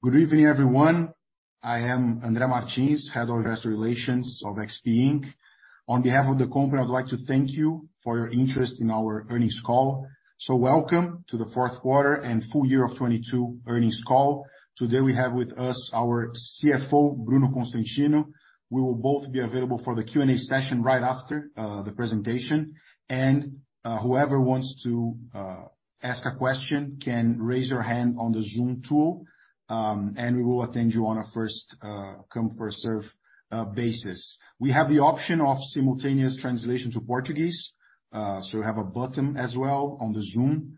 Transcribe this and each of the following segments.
Good evening, everyone. I am André Martins, Head of Investor Relations of XP Inc. On behalf of the company, I'd like to thank you for your interest in our earnings call. Welcome to the fourth quarter and full year of 2022 earnings call. Today we have with us our CFO, Bruno Constantino. We will both be available for the Q&A session right after the presentation. Whoever wants to ask a question can raise your hand on the Zoom, and we will attend you on a first come first serve basis. We have the option of simultaneous translation to Portuguese, you have a button as well on the Zoom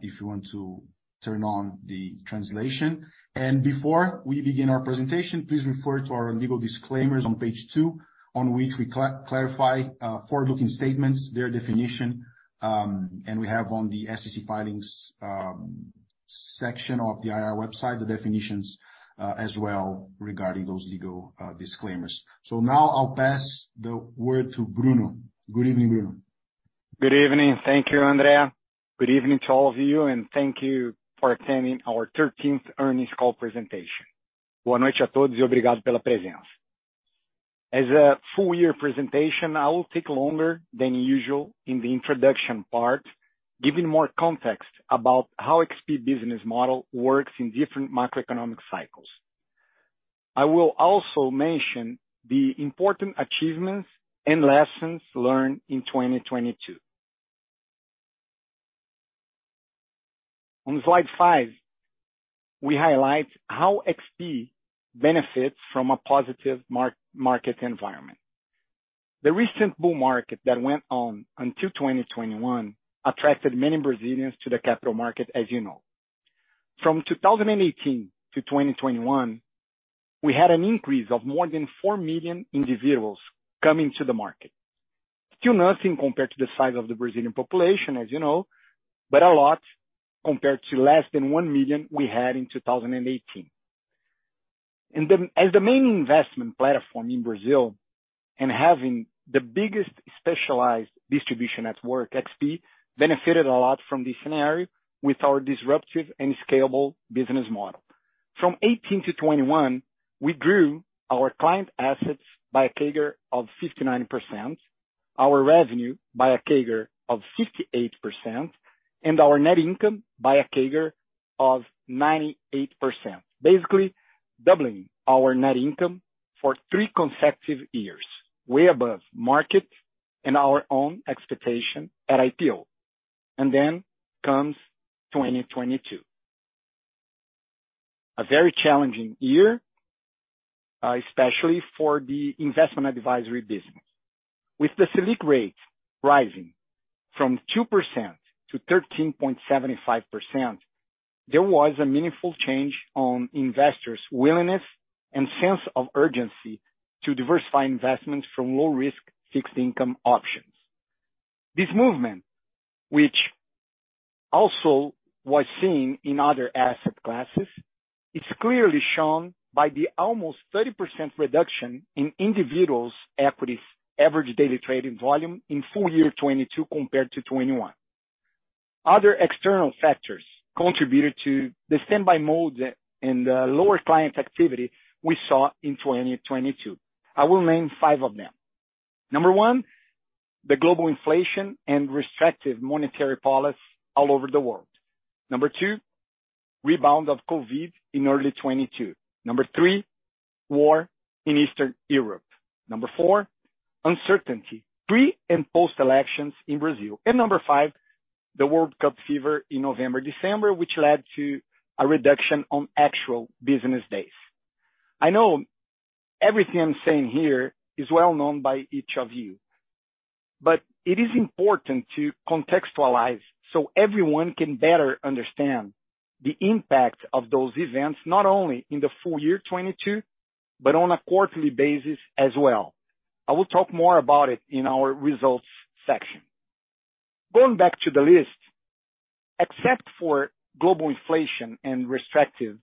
if you want to turn on the translation. Before we begin our presentation, please refer to our legal disclaimers on page two, on which we clarify forward-looking statements, their definition, and we have on the SEC filings section of the IR website, the definitions as well regarding those legal disclaimers. Now I'll pass the word to Bruno. Good evening, Bruno. Good evening. Thank you, André. Good evening to all of you. Thank you for attending our 13th earnings call presentation. As a full year presentation, I will take longer than usual in the introduction part, giving more context about how XP business model works in different macroeconomic cycles. I will also mention the important achievements and lessons learned in 2022. On slide five, we highlight how XP benefits from a positive market environment. The recent bull market that went on until 2021 attracted many Brazilians to the capital market, as you know. From 2018 to 2021, we had an increase of more than 4 million individuals coming to the market. Still nothing compared to the size of the Brazilian population, as you know. A lot compared to less than 1 million we had in 2018. The main investment platform in Brazil and having the biggest specialized distribution network, XP benefited a lot from this scenario with our disruptive and scalable business model. From 2018 to 2021, we grew our client assets by a CAGR of 59%, our revenue by a CAGR of 58%, and our net income by a CAGR of 98%, basically doubling our net income for three consecutive years, way above market and our own expectation at IPO. comes 2022. A very challenging year, especially for the investment advisory business. With the Selic rate rising from 2% to 13.75%, there was a meaningful change on investors' willingness and sense of urgency to diversify investments from low risk fixed income options. This movement, which also was seen in other asset classes, it's clearly shown by the almost 30% reduction in individuals equities average daily trading volume in full year 2022 compared to 2021. Other external factors contributed to the standby mode and lower client activity we saw in 2022. I will name five of them. Number one, the global inflation and restrictive monetary policy all over the world. Number two, rebound of COVID in early 2022. Number three, war in Eastern Europe. Number four, uncertainty, pre- and post-elections in Brazil. Number five, the World Cup fever in November, December, which led to a reduction on actual business days. I know everything I'm saying here is well known by each of you, but it is important to contextualize so everyone can better understand the impact of those events, not only in the full year 2022, but on a quarterly basis as well. I will talk more about it in our results section. Going back to the list, except for global inflation and restrictive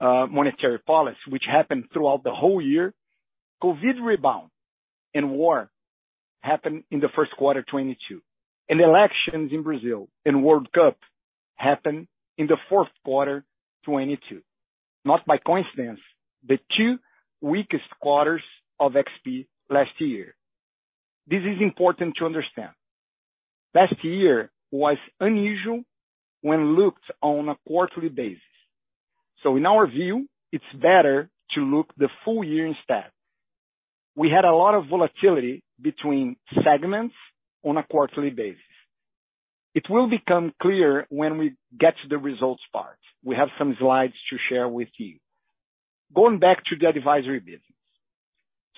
monetary policy which happened throughout the whole year, COVID rebound and war happened in the first quarter 2022, and elections in Brazil and World Cup happened in the fourth quarter 2022. Not by coincidence, the two weakest quarters of XP last year. This is important to understand. Last year was unusual when looked on a quarterly basis. In our view, it's better to look the full year instead. We had a lot of volatility between segments on a quarterly basis. It will become clear when we get to the results part. We have some slides to share with you. Going back to the advisory business.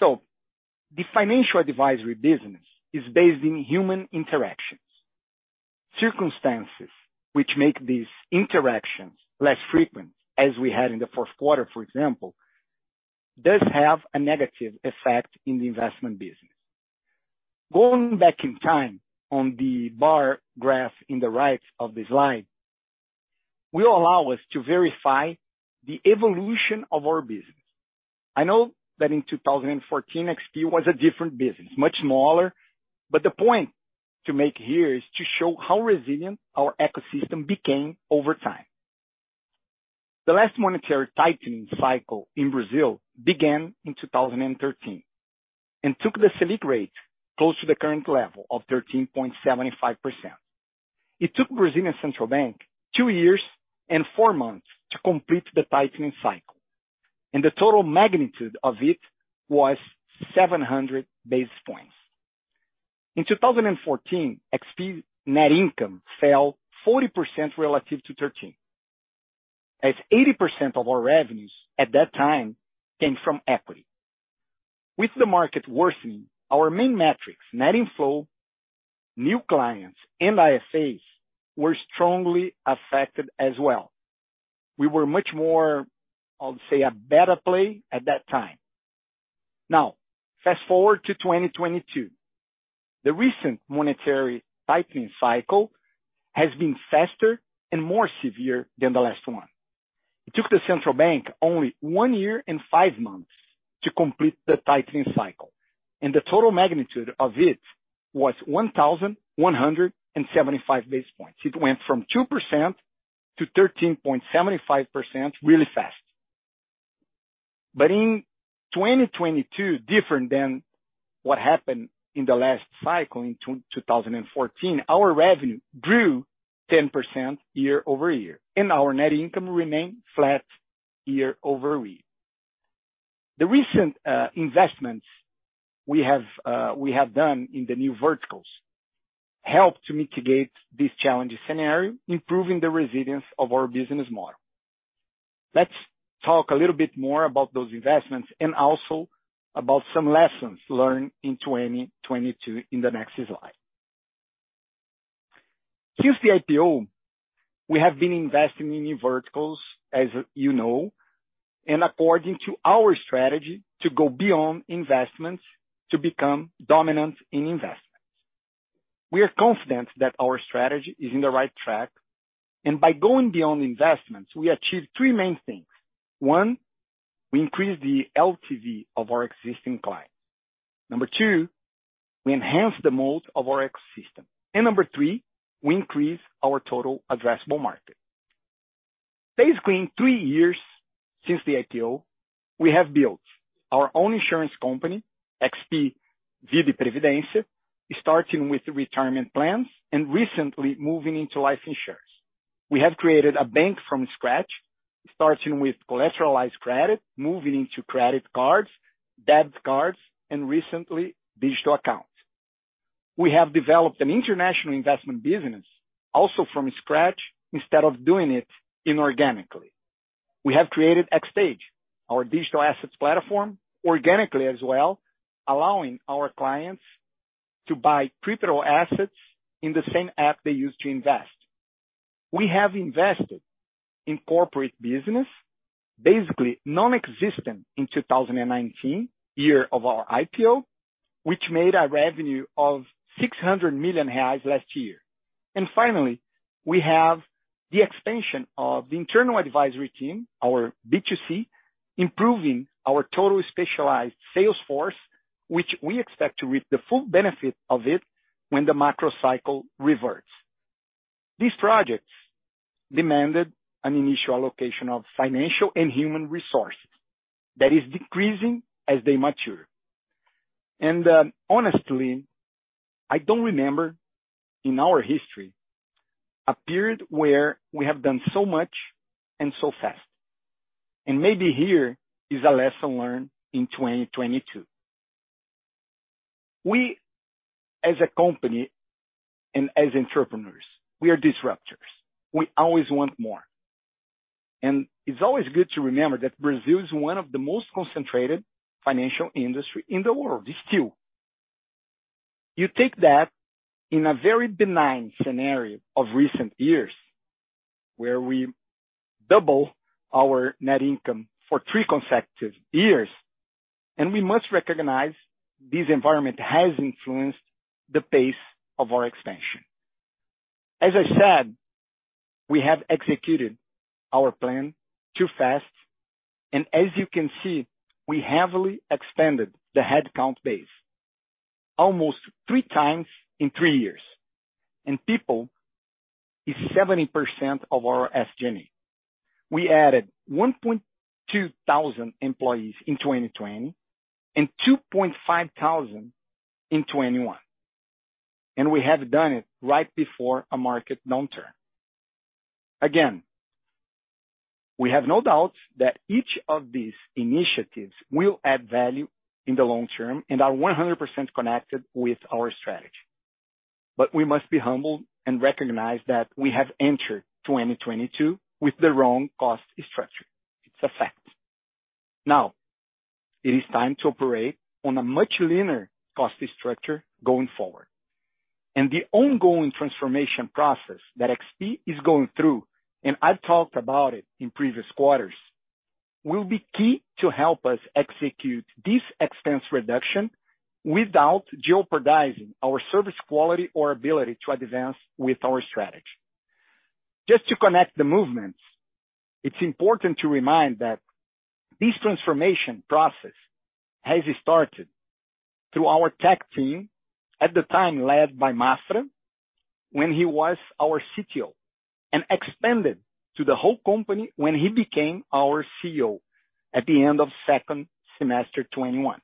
The financial advisory business is based in human interactions. Circumstances which make these interactions less frequent, as we had in the fourth quarter, for example, does have a negative effect in the investment business. Going back in time on the bar graph in the right of the slide will allow us to verify the evolution of our business. I know that in 2014, XP was a different business, much smaller, but the point to make here is to show how resilient our ecosystem became over time. The last monetary tightening cycle in Brazil began in 2013 and took the Selic rate close to the current level of 13.75%. It took Brazilian Central Bank two years and four months to complete the tightening cycle, and the total magnitude of it was 700 basis points. In 2014, XP net income fell 40% relative to 13, as 80% of our revenues at that time came from equity. With the market worsening, our main metrics, net inflow, new clients and IFAs were strongly affected as well. We were much more, I'll say, a better play at that time. Now, fast-forward to 2022. The recent monetary tightening cycle has been faster and more severe than the last one. It took the Central Bank only one year and five months to complete the tightening cycle, and the total magnitude of it was 1,175 basis points. It went from 2%-13.75% really fast. In 2022, different than what happened in the last cycle in 2014, our revenue grew 10% year-over-year, and our net income remained flat year-over-year. The recent investments we have done in the new verticals helped to mitigate this challenging scenario, improving the resilience of our business model. Let's talk a little bit more about those investments and also about some lessons learned in 2022 in the next slide. Since the IPO, we have been investing in new verticals, as you know, and according to our strategy to go beyond investments to become dominant in investments. We are confident that our strategy is in the right track, and by going beyond investments, we achieve three main things. One, we increase the LTV of our existing clients. Number two, we enhance the mode of our ecosystem. Number three, we increase our total addressable market. Basically, in three years since the IPO, we have built our own insurance company, XP Vida e Previdência, starting with retirement plans and recently moving into life insurance. We have created a bank from scratch, starting with collateralized credit, moving into credit cards, debit cards, and recently digital accounts. We have developed an international investment business also from scratch instead of doing it inorganically. We have created XTAGE, our digital assets platform, organically as well, allowing our clients to buy crypto assets in the same app they use to invest. We have invested in corporate business, basically nonexistent in 2019, year of our IPO, which made a revenue of 600 million reais last year. Finally, we have the expansion of the internal advisory team, our B2C, improving our total specialized sales force, which we expect to reap the full benefit of it when the macro cycle reverts. These projects demanded an initial allocation of financial and human resources that is decreasing as they mature. Honestly, I don't remember in our history a period where we have done so much and so fast. Maybe here is a lesson learned in 2022. We as a company and as entrepreneurs, we are disruptors. We always want more. It's always good to remember that Brazil is one of the most concentrated financial industry in the world. It's still. You take that in a very benign scenario of recent years where we double our net income for three consecutive years. We must recognize this environment has influenced the pace of our expansion. As I said, we have executed our plan too fast, and as you can see, we heavily extended the headcount base almost three times in three years. People is 70% of our SG&A. We added 1,200 employees in 2020 and 2,500 in 2021, and we have done it right before a market downturn. Again, we have no doubts that each of these initiatives will add value in the long term and are 100% connected with our strategy. We must be humble and recognize that we have entered 2022 with the wrong cost structure. It's a fact. Now it is time to operate on a much leaner cost structure going forward. The ongoing transformation process that XP is going through, and I've talked about it in previous quarters, will be key to help us execute this expense reduction without jeopardizing our service quality or ability to advance with our strategy. Just to connect the movements, it's important to remind that this transformation process has started through our tech team at the time led by Maffra when he was our CTO, and expanded to the whole company when he became our CEO at the end of second semester 2021.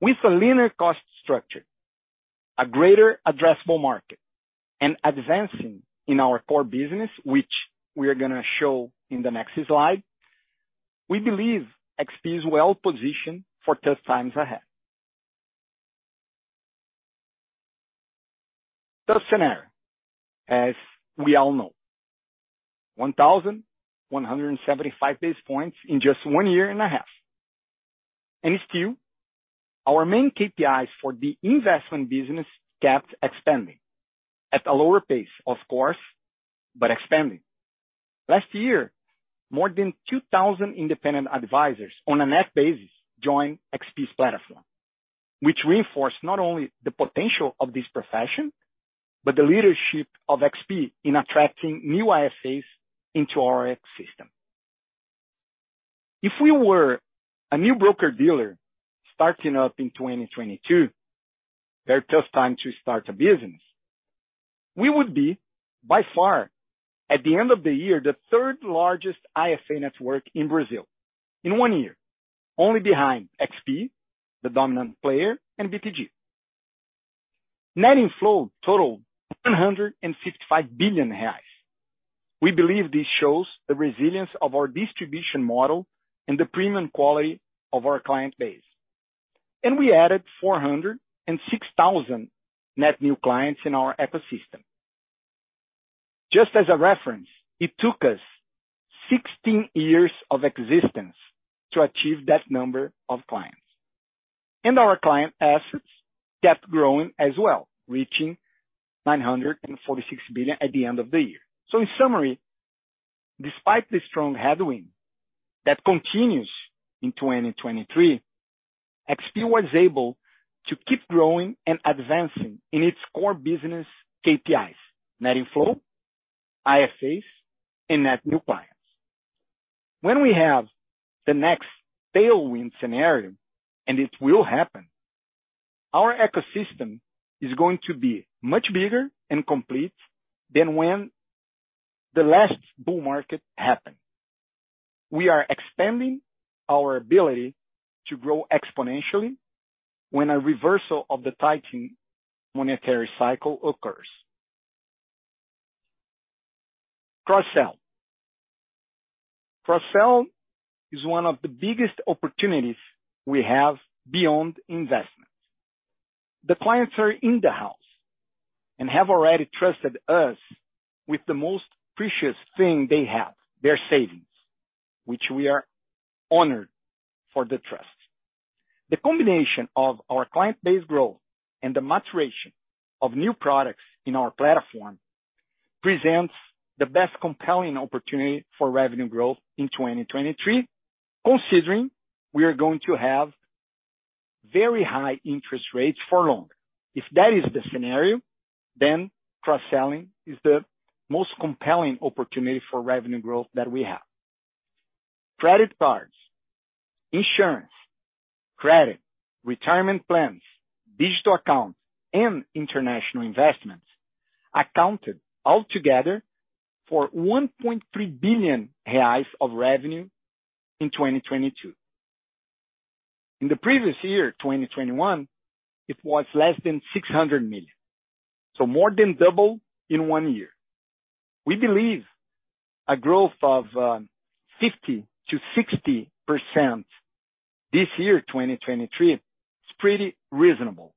With a linear cost structure, a greater addressable market, and advancing in our core business, which we are gonna show in the next slide, we believe XP is well positioned for tough times ahead. Tough scenario, as we all know. 1,175 base points in just one year and a half. Still, our main KPIs for the investment business kept expanding. At a lower pace, of course, but expanding. Last year, more than 2,000 independent advisors on a net basis joined XP's platform, which reinforced not only the potential of this profession, but the leadership of XP in attracting new IFAs into our ecosystem. If we were a new broker-dealer starting up in 2022, very tough time to start a business, we would be, by far, at the end of the year, the third largest IFA network in Brazil in one year, only behind XP, the dominant player, and BTG. Net inflow totaled 155 billion reais. We believe this shows the resilience of our distribution model and the premium quality of our client base. We added 406,000 net new clients in our ecosystem. Just as a reference, it took us 16 years of existence to achieve that number of clients. Our client assets kept growing as well, reaching 946 billion at the end of the year. In summary, despite the strong headwind that continues in 2023, XP was able to keep growing and advancing in its core business KPIs, net inflow, IFAs, and net new clients. When we have the next tailwind scenario, and it will happen, our ecosystem is going to be much bigger and complete than when the last bull market happened. We are expanding our ability to grow exponentially when a reversal of the tightening monetary cycle occurs. Cross-sell. Cross-sell is one of the biggest opportunities we have beyond investment. The clients are in the house and have already trusted us with the most precious thing they have, their savings, which we are honored for the trust. The combination of our client base growth and the maturation of new products in our platform presents the best compelling opportunity for revenue growth in 2023, considering we are going to have very high interest rates for longer. If that is the scenario, cross-selling is the most compelling opportunity for revenue growth that we have. Credit cards, insurance, credit, retirement plans, digital accounts, and international investments accounted all together for 1.3 billion reais of revenue in 2022. In the previous year, 2021, it was less than 600 million. More than double in one year. We believe a growth of 50%-60% this year, 2023, is pretty reasonable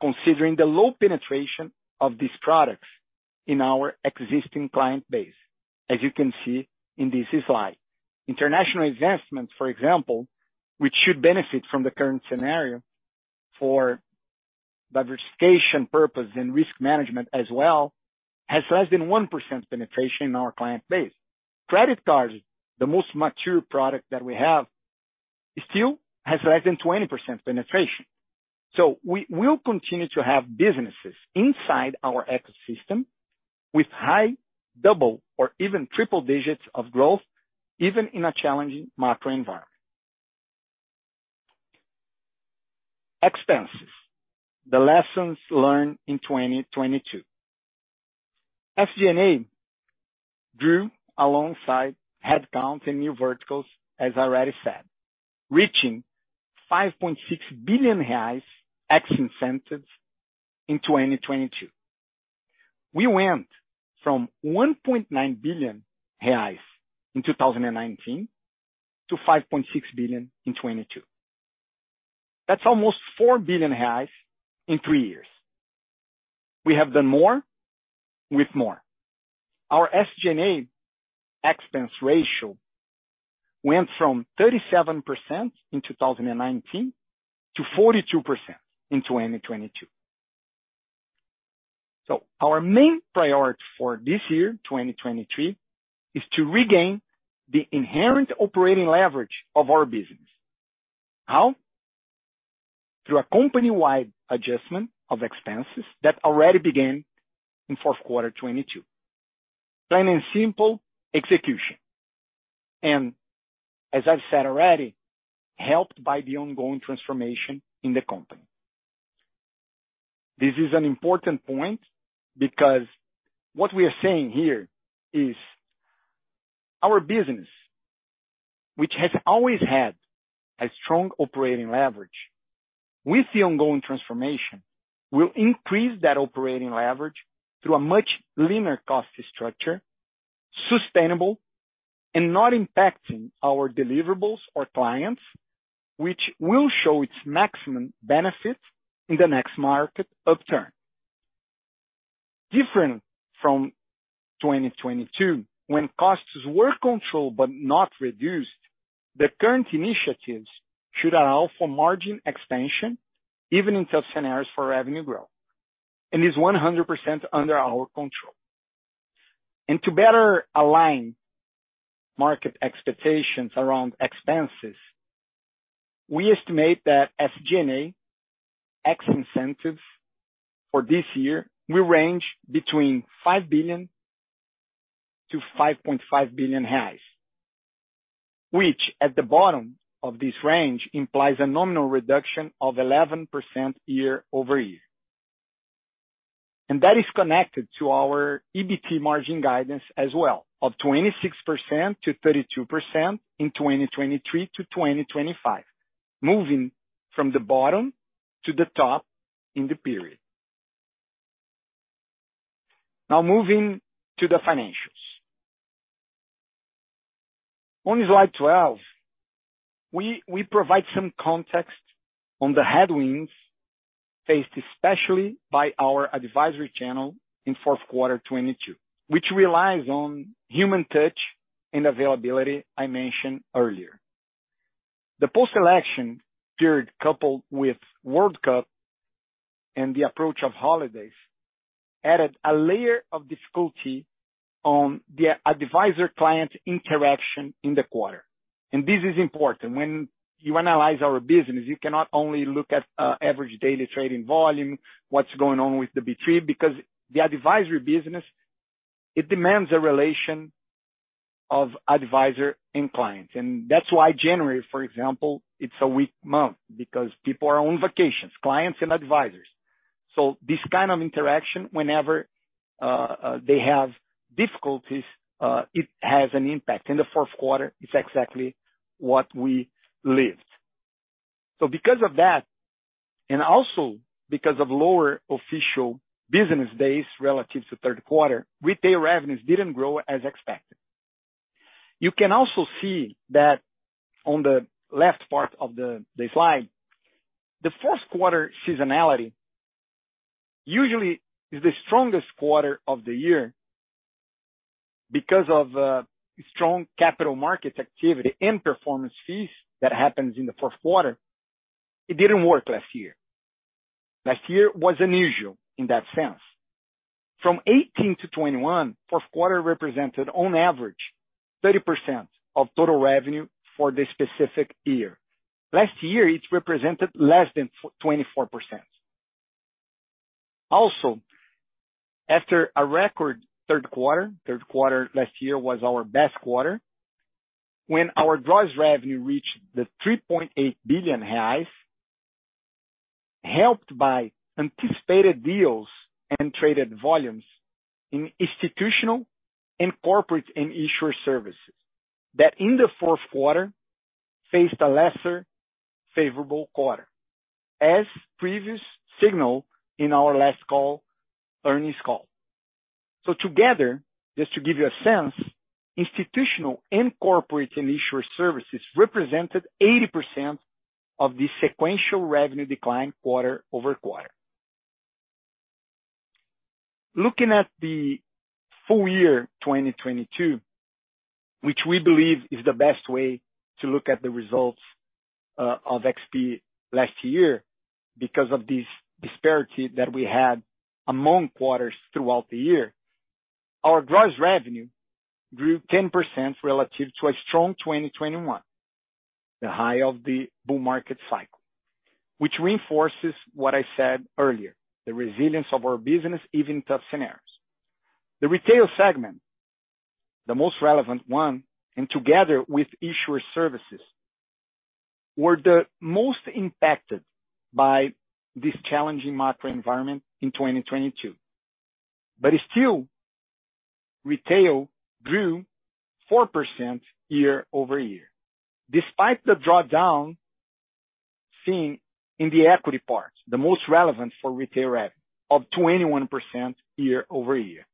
considering the low penetration of these products in our existing client base, as you can see in this slide. International investments, for example, which should benefit from the current scenario for diversification purpose and risk management as well, has less than 1% penetration in our client base. Credit cards, the most mature product that we have, still has less than 20% penetration. We will continue to have businesses inside our ecosystem with high double or even triple digits of growth, even in a challenging macro environment. Expenses, the lessons learned in 2022. SG&A grew alongside headcount and new verticals, as I already said, reaching BRL 5.6 billion ex incentives in 2022. We went from 1.9 billion reais in 2019 to 5.6 billion in 2022. That's almost 4 billion reais in three years. We have done more with more. Our SG&A expense ratio went from 37% in 2019 to 42% in 2022. Our main priority for this year, 2023, is to regain the inherent operating leverage of our business. How? Through a company-wide adjustment of expenses that already began in fourth quarter 2022. Plain and simple execution. As I've said already, helped by the ongoing transformation in the company. This is an important point because what we are saying here is our business, which has always had a strong operating leverage, with the ongoing transformation, will increase that operating leverage through a much leaner cost structure, sustainable and not impacting our deliverables or clients, which will show its maximum benefits in the next market upturn. Different from 2022, when costs were controlled but not reduced, the current initiatives should allow for margin expansion, even in tough scenarios for revenue growth, and is 100% under our control. To better align market expectations around expenses, we estimate that SG&A ex incentives for this year will range between 5 billion-5.5 billion reais. Which at the bottom of this range implies a nominal reduction of 11% year-over-year. That is connected to our EBT margin guidance as well, of 26%-32% in 2023-2025, moving from the bottom to the top in the period. Now moving to the financials. On slide 12, we provide some context on the headwinds faced especially by our advisory channel in Q4 2022, which relies on human touch and availability I mentioned earlier. The post-election period, coupled with World Cup and the approach of holidays, added a layer of difficulty on the advisor-client interaction in the quarter. This is important. When you analyze our business, you cannot only look at average daily trading volume, what's going on with the B3, because the advisory business, it demands a relation of advisor and client. That's why January, for example, it's a weak month because people are on vacations, clients and advisors. This kind of interaction, whenever they have difficulties, it has an impact. In the fourth quarter, it's exactly what we lived. Because of that, and also because of lower official business days relative to third quarter, retail revenues didn't grow as expected. You can also see that on the left part of the slide, the fourth quarter seasonality usually is the strongest quarter of the year because of strong capital market activity and performance fees that happens in the fourth quarter. It didn't work last year. Last year was unusual in that sense. From 18-21, fourth quarter represented on average 30% of total revenue for the specific year. Last year, it represented less than 24%. Also, after a record third quarter last year was our best quarter, when our gross revenue reached the 3.8 billion reais, helped by anticipated deals and traded volumes in institutional and corporate and issuer services, that in the fourth quarter, faced a lesser favorable quarter, as previous signaled in our last call, earnings call. Together, just to give you a sense, institutional and corporate and issuer services represented 80% of the sequential revenue decline quarter-over-quarter. Looking at the full year 2022, which we believe is the best way to look at the results of XP last year because of this disparity that we had among quarters throughout the year. Our gross revenue grew 10% relative to a strong 2021, the high of the bull market cycle, which reinforces what I said earlier, the resilience of our business, even in tough scenarios. The retail segment, the most relevant one, and together with issuer services, were the most impacted by this challenging macro environment in 2022. Still, retail grew 4% year-over-year, despite the drawdown seen in the equity part, the most relevant for retail rev of 21% year-over-year.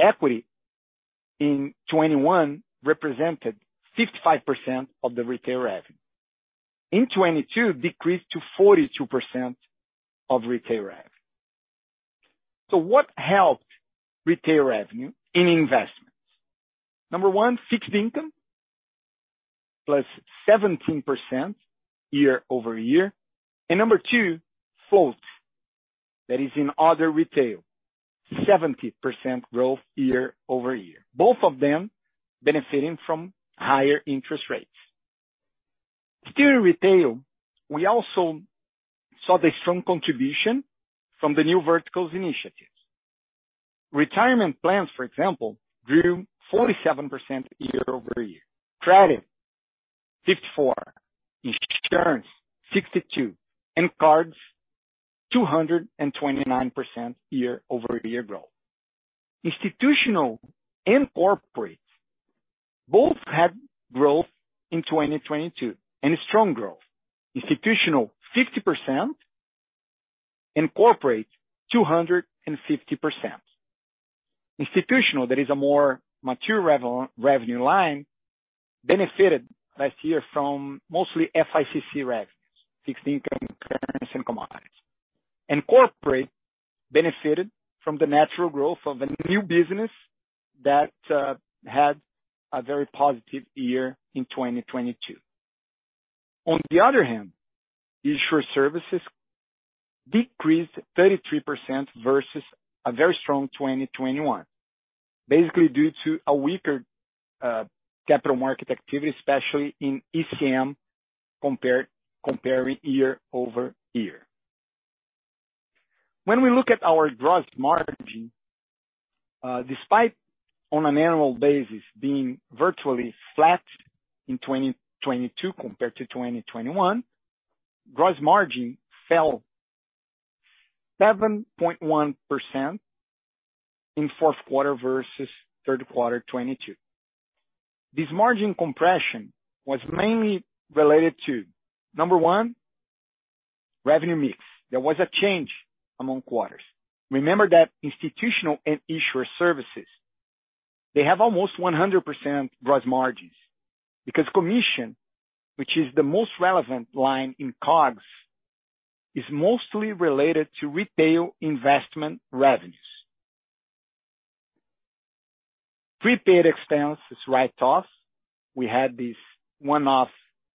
Equity in 2021 represented 55% of the retail revenue. In 2022, decreased to 42% of retail revenue. What helped retail revenue in investments? Number one, fixed income, plus 17% year-over-year. Number two, float. That is in other retail, 70% growth year-over-year, both of them benefiting from higher interest rates. Still in retail, we also saw the strong contribution from the new verticals initiatives. Retirement plans, for example, grew 47% year-over-year. Credit, 54%. Insurance, 62%, and cards, 229% year-over-year growth. Institutional and corporate both had growth in 2022, and strong growth. Institutional, 50%, and corporate 250%. Institutional, that is a more mature revenue line, benefited last year from mostly FICC revenues, fixed income, currency, and commodities. Corporate benefited from the natural growth of a new business that had a very positive year in 2022. On the other hand, issuer services decreased 33% versus a very strong 2021, basically due to a weaker capital market activity, especially in ECM comparing year-over-year. When we look at our gross margin, despite on an annual basis being virtually flat in 2022 compared to 2021, gross margin fell 7.1% in fourth quarter versus third quarter 2022. This margin compression was mainly related to, number one, revenue mix. There was a change among quarters. Remember that institutional and issuer services, they have almost 100% gross margins because commission, which is the most relevant line in COGS, is mostly related to retail investment revenues. Prepaid expenses write-offs. We had this one-off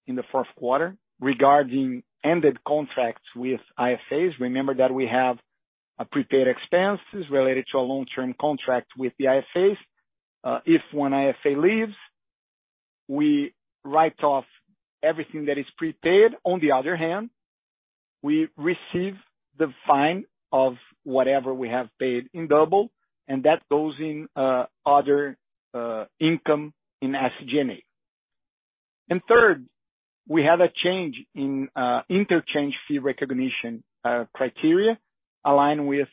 in the fourth quarter regarding ended contracts with IFAs. Remember that we have a prepaid expenses related to a long-term contract with the IFAs. If one IFA leaves, we write off everything that is prepaid. On the other hand, we receive the fine of whatever we have paid in double, and that goes in other income in SG&A. Third, we had a change in interchange fee recognition criteria aligned with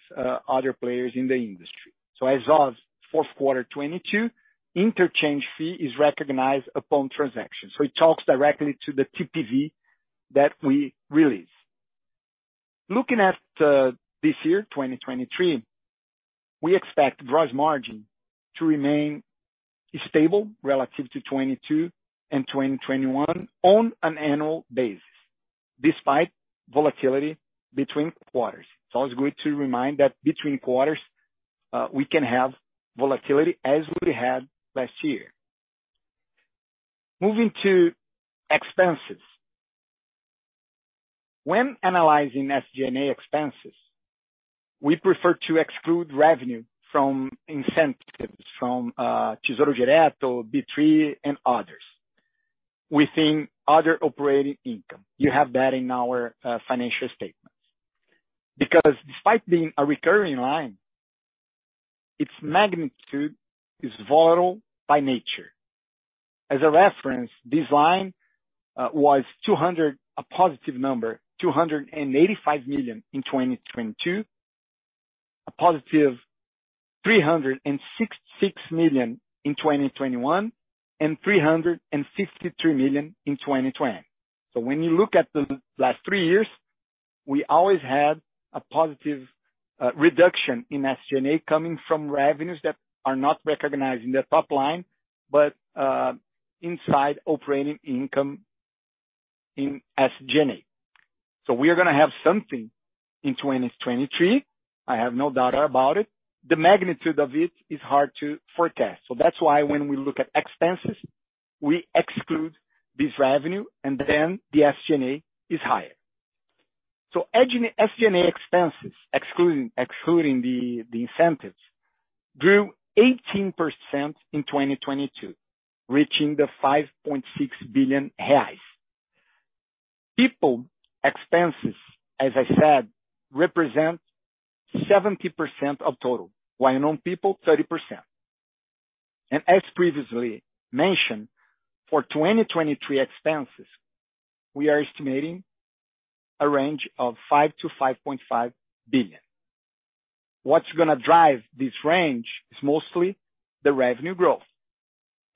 other players in the industry. As of fourth quarter 2022, interchange fee is recognized upon transaction. It talks directly to the TPV that we release. Looking at this year, 2023, we expect gross margin to remain stable relative to 2022 and 2021 on an annual basis, despite volatility between quarters. It's always good to remind that between quarters, we can have volatility as we had last year. Moving to expenses. When analyzing SG&A expenses, we prefer to exclude revenue from incentives from Tesouro Direto, B3, and others within other operating income. You have that in our financial statements. Despite being a recurring line, its magnitude is volatile by nature. As a reference, this line was a positive number, $285 million in 2022, a positive $306 million in 2021, and $353 million in 2020. When you look at the last three years, we always had a positive reduction in SG&A coming from revenues that are not recognized in the top line, but inside operating income in SG&A. We are gonna have something in 2023. I have no doubt about it. The magnitude of it is hard to forecast. That's why when we look at expenses, we exclude this revenue, and then the SG&A is higher. Edge in the SG&A expenses, excluding the incentives, grew 18% in 2022, reaching 5.6 billion reais. People expenses, as I said, represent 70% of total, while non-people, 30%. As previously mentioned, for 2023 expenses, we are estimating a range of 5 billion-5.5 billion. What's gonna drive this range is mostly the revenue growth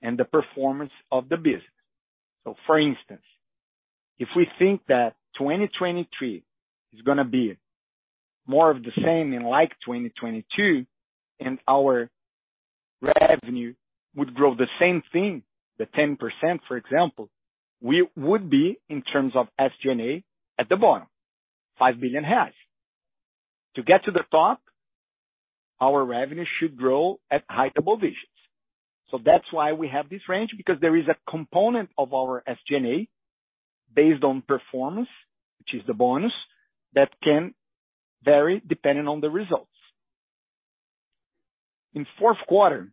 and the performance of the business. For instance, if we think that 2023 is gonna be more of the same in like 2022 and our revenue would grow the same thing, the 10% for example, we would be in terms of SG&A at the bottom, 5 billion reais. To get to the top. Our revenue should grow at high double digits. That's why we have this range, because there is a component of our SG&A based on performance, which is the bonus, that can vary depending on the results. In fourth quarter,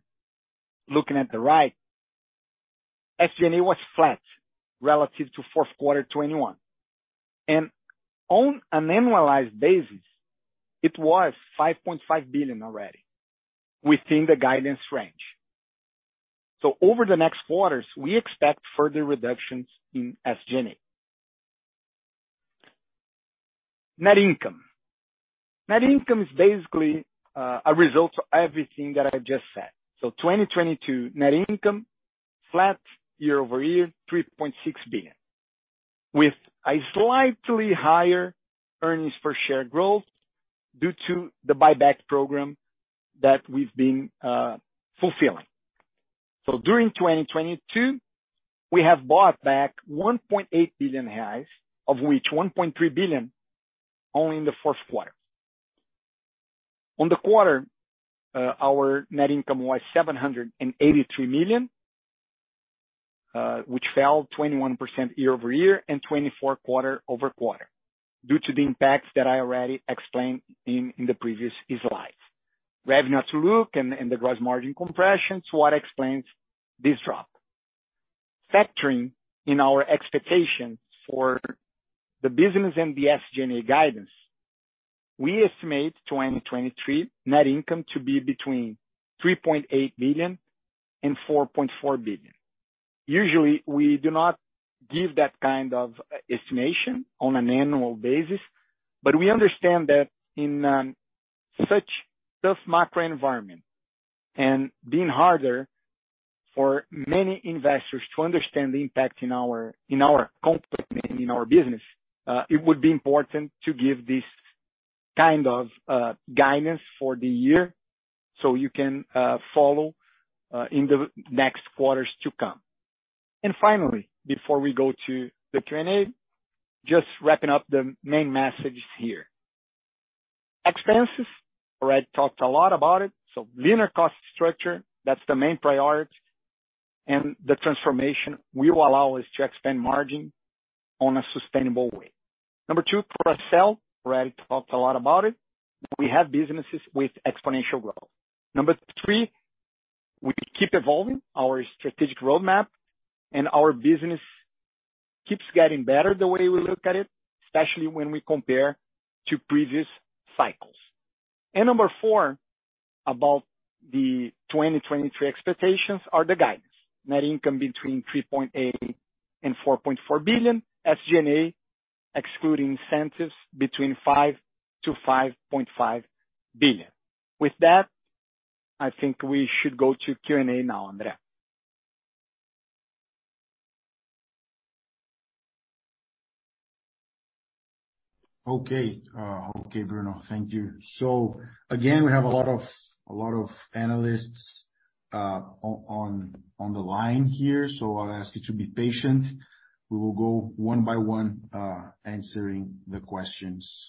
looking at the right, SG&A was flat relative to fourth quarter 2021. On an annualized basis, it was 5.5 billion already within the guidance range. Over the next quarters, we expect further reductions in SG&A. Net income. Net income is basically a result of everything that I just said. 2022 net income flat year-over-year, 3.6 billion, with a slightly higher earnings per share growth due to the buyback program that we've been fulfilling. During 2022, we have bought back 1.8 billion reais, of which 1.3 billion only in the fourth quarter. On the quarter, our net income was $783 million, which fell 21% year-over-year and 24% quarter-over-quarter due to the impacts that I already explained in the previous slide. Revenue to look and the gross margin compression is what explains this drop. Factoring in our expectations for the business and the SG&A guidance, we estimate 2023 net income to be between $3.8 billion and $4.4 billion. Usually, we do not give that kind of estimation on an annual basis, but we understand that in such tough macro environment and being harder for many investors to understand the impact in our, in our company and in our business, it would be important to give this kind of guidance for the year so you can follow in the next quarters to come. Finally, before we go to the Q&A, just wrapping up the main messages here. Expenses. Already talked a lot about it. Linear cost structure, that's the main priority. The transformation will allow us to expand margin on a sustainable way. Number two, Cross-sell. Already talked a lot about it. We have businesses with exponential growth. Number three, we keep evolving our strategic roadmap, and our business keeps getting better the way we look at it, especially when we compare to previous cycles. Number four, about the 2023 expectations are the guidance. Net income between 3.8 billion and 4.4 billion. SG&A excluding incentives between 5 billion-5.5 billion. With that, I think we should go to Q&A now, André. Okay. Okay, Bruno. Thank you. Again, we have a lot of analysts on the line here, so I'll ask you to be patient. We will go one by one, answering the questions.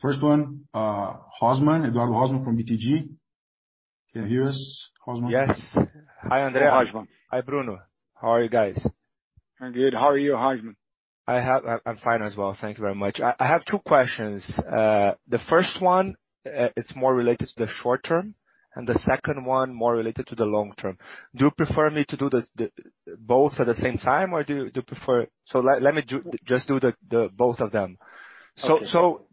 First one, Rosman. Eduardo Rosman from BTG. Can you hear us, Rosman? Yes. Hi, Andre. Rosman. Hi, Bruno. How are you guys? I'm good. How are you, Rosman? I'm fine as well. Thank you very much. I have two questions. The first one, it's more related to the short term, and the second one more related to the long term. Do you prefer me to do both at the same time, or do you prefer? Let me just do the both of them. Okay.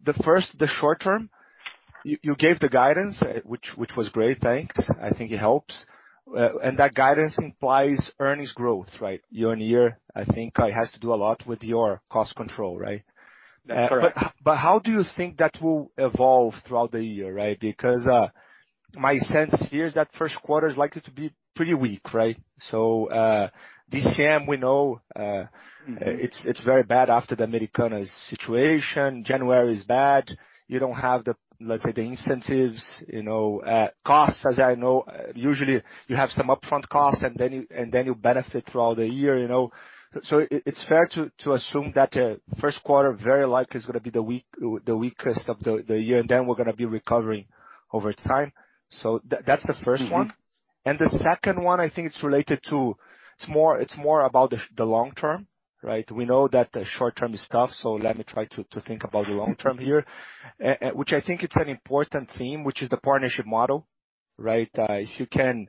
The first, the short term, you gave the guidance, which was great. Thanks. I think it helps. That guidance implies earnings growth, right? Year-on-year, I think it has to do a lot with your cost control, right? That's correct. How do you think that will evolve throughout the year, right? Because, my sense here is that first quarter is likely to be pretty weak, right? This year we know. Mm-hmm. It's very bad after the Americanas situation. January is bad. You don't have the, let's say, the incentives, you know, costs. As I know, usually you have some upfront costs, and then you benefit throughout the year, you know. It's fair to assume that the first quarter very likely is gonna be the weakest of the year, and then we're gonna be recovering over time. That's the first one. Mm-hmm. The second one, I think it's related to. It's more about the long term, right? We know that the short term is tough, so let me try to think about the long term here. Which I think it's an important theme, which is the partnership model, right? If you can,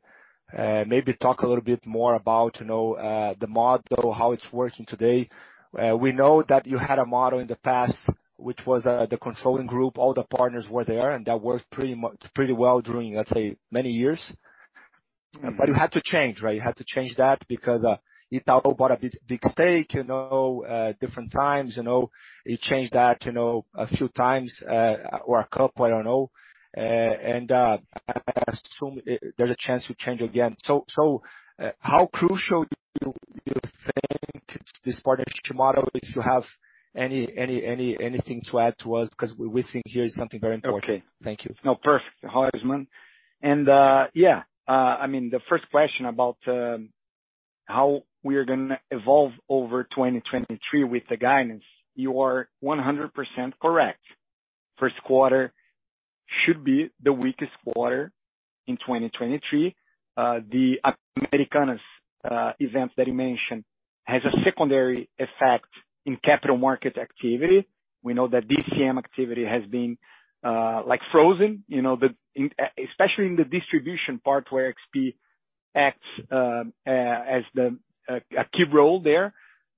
maybe talk a little bit more about, you know, the model, how it's working today. We know that you had a model in the past, which was the consulting group. All the partners were there, and that worked pretty well during, let's say, many years. Mm-hmm. You had to change, right? You had to change that because Itaú bought a big, big stake, you know, different times, you know. You changed that, you know, a few times, or a couple, I don't know. I assume there's a chance to change again. How crucial do you think, this partnership model, if you have anything to add to us because we think here is something very important? Okay. Thank you. No, perfect, Rosman. I mean, the first question about how we are gonna evolve over 2023 with the guidance, you are 100% correct. First quarter should be the weakest quarter in 2023. The Americanas events that you mentioned has a secondary effect in capital market activity. We know that DCM activity has been like, frozen, you know, especially in the distribution part where XP acts as a key role there.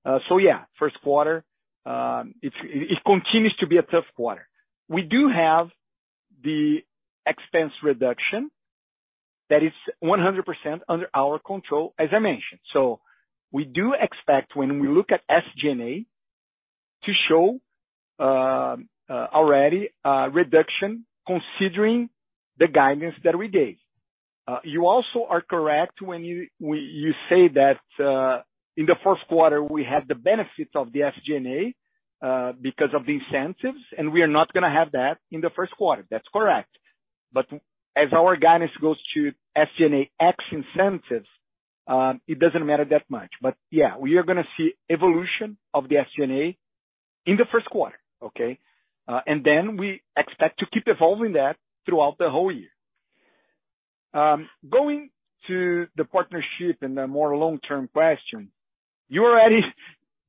Yeah, first quarter, it continues to be a tough quarter. We do have the expense reduction that is 100% under our control, as I mentioned. We do expect, when we look at SG&A, to show already reduction considering the guidance that we gave. You also are correct when you say that, in the first quarter we had the benefit of the SG&A, because of the incentives, and we are not gonna have that in the first quarter. That's correct. As our guidance goes to SG&A ex incentives, it doesn't matter that much. Yeah, we are gonna see evolution of the SG&A in the first quarter, okay? Then we expect to keep evolving that throughout the whole year. Going to the partnership and the more long-term question, you already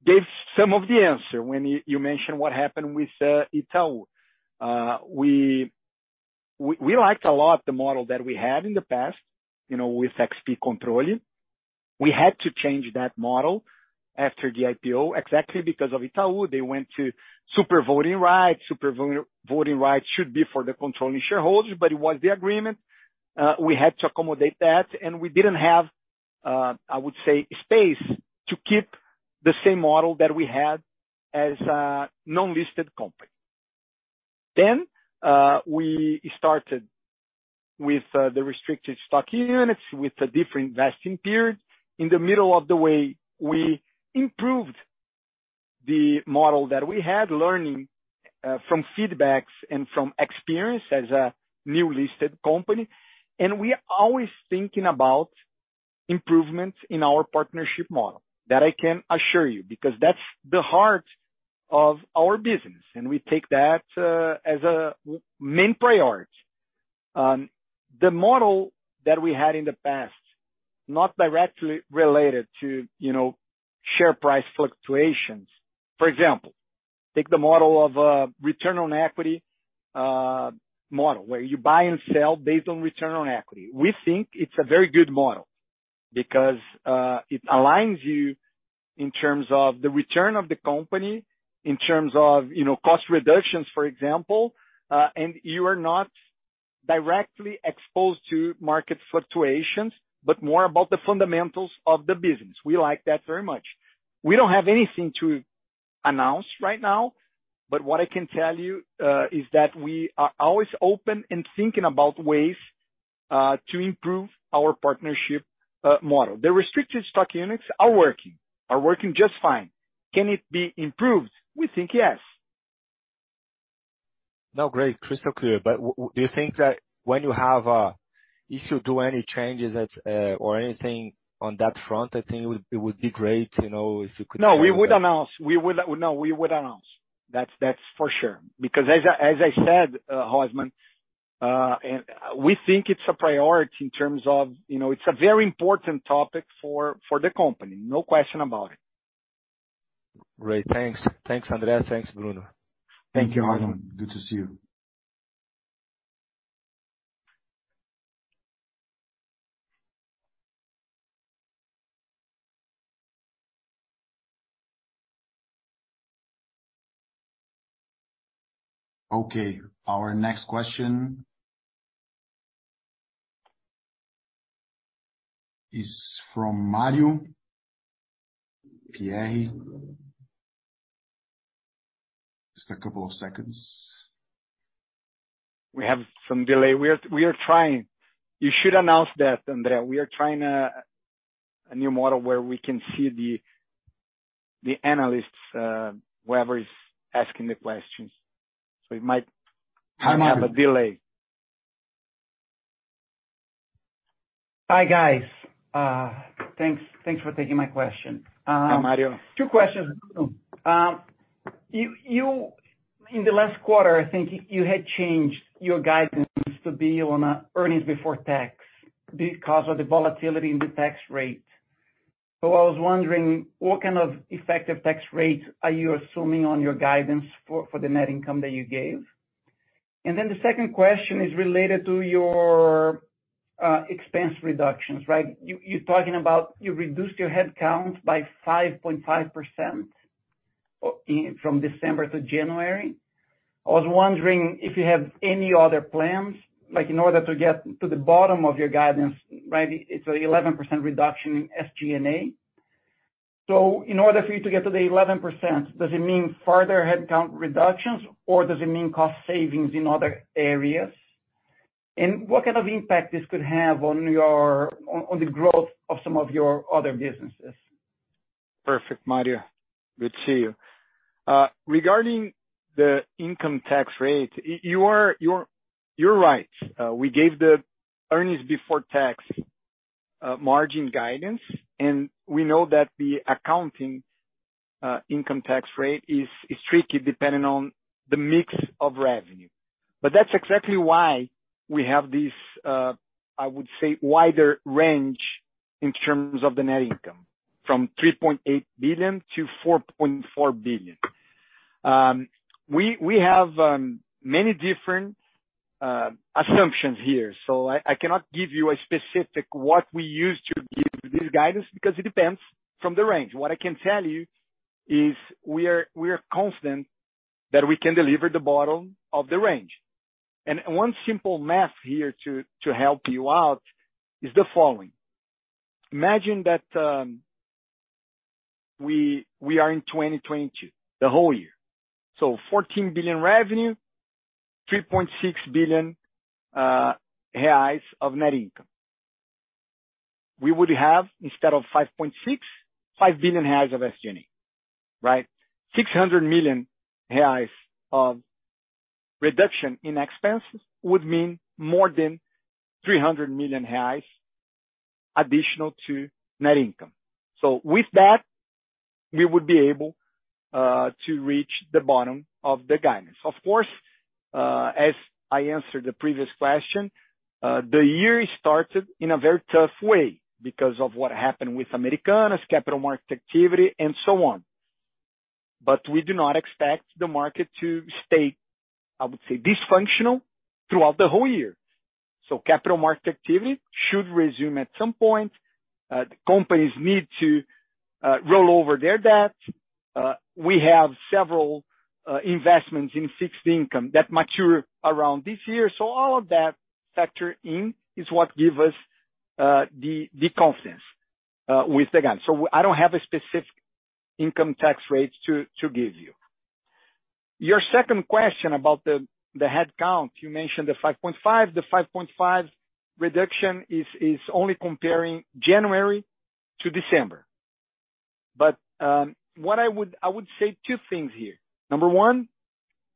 gave some of the answer when you mentioned what happened with Itaú. We liked a lot the model that we had in the past, you know, with XP Controle. We had to change that model after the IPO exactly because of Itaú. They went to super voting rights. Super voting rights should be for the controlling shareholders. It was the agreement. We had to accommodate that, and we didn't have, I would say, space to keep the same model that we had as a non-listed company. We started with the restricted stock units with a different vesting period. In the middle of the way, we improved the model that we had, learning from feedbacks and from experience as a new listed company. We are always thinking about improvements in our partnership model. That I can assure you, because that's the heart of our business, and we take that as a main priority. The model that we had in the past, not directly related to, you know, share price fluctuations. For example, take the model of return on equity model, where you buy and sell based on return on equity. We think it's a very good model because it aligns you in terms of the return of the company, in terms of, you know, cost reductions, for example, and you are not directly exposed to market fluctuations, but more about the fundamentals of the business. We like that very much. We don't have anything to announce right now, but what I can tell you is that we are always open and thinking about ways to improve our partnership model. The restricted stock units are working just fine. Can it be improved? We think yes. Great. Crystal clear. Would you think that when you have, if you do any changes at, or anything on that front, I think it would, it would be great, you know, if you could share with us. No, we would announce. No, we would announce. That's for sure. As I said, Rosman, and we think it's a priority in terms of, you know, it's a very important topic for the company, no question about it. Great. Thanks. Thanks, André. Thanks, Bruno. Thank you, Rosman. Good to see you. Okay. Our next question is from Mario Pierry. Just a couple of seconds. We have some delay. We are trying... You should announce that, André. We are trying a new model where we can see the analysts, whoever is asking the questions. It might have a delay. Hi, guys. thanks for taking my question. Hi, Mario. Two questions. You in the last quarter, I think you had changed your guidance to be on earnings before tax because of the volatility in the tax rate. I was wondering what kind of effective tax rates are you assuming on your guidance for the net income that you gave? The second question is related to your expense reductions, right? You talking about you reduced your headcounts by 5.5% in from December to January. I was wondering if you have any other plans, like in order to get to the bottom of your guidance, right? It's 11% reduction in SG&A. In order for you to get to the 11%, does it mean further headcount reductions, or does it mean cost savings in other areas? What kind of impact this could have on your on the growth of some of your other businesses? Perfect, Mario. Good to see you. Regarding the income tax rate, you're right. We gave the earnings before tax margin guidance, we know that the accounting income tax rate is tricky depending on the mix of revenue. That's exactly why we have this, I would say, wider range in terms of the net income, from $3.8 billion-$4.4 billion. We have many different assumptions here. I cannot give you a specific what we use to give this guidance because it depends from the range. What I can tell you is we are confident that we can deliver the bottom of the range. One simple math here to help you out is the following: Imagine that we are in 2022, the whole year. 14 billion revenue, 3.6 billion reais of net income. We would have, instead of 5.65 billion reais of SG&A, right? 600 million reais of reduction in expenses would mean more than 300 million reais additional to net income. With that, we would be able to reach the bottom of the guidance. Of course, as I answered the previous question, the year started in a very tough way because of what happened with Americanas, capital market activity, and so on. We do not expect the market to stay, I would say, dysfunctional throughout the whole year. Capital market activity should resume at some point. The companies need to roll over their debt. We have several investments in fixed income that mature around this year. All of that factor in is what give us the confidence with the guidance. I don't have a specific income tax rate to give you. Your second question about the headcount, you mentioned the 5.5. The 5.5 reduction is only comparing January to December. I would say two things here. Number one,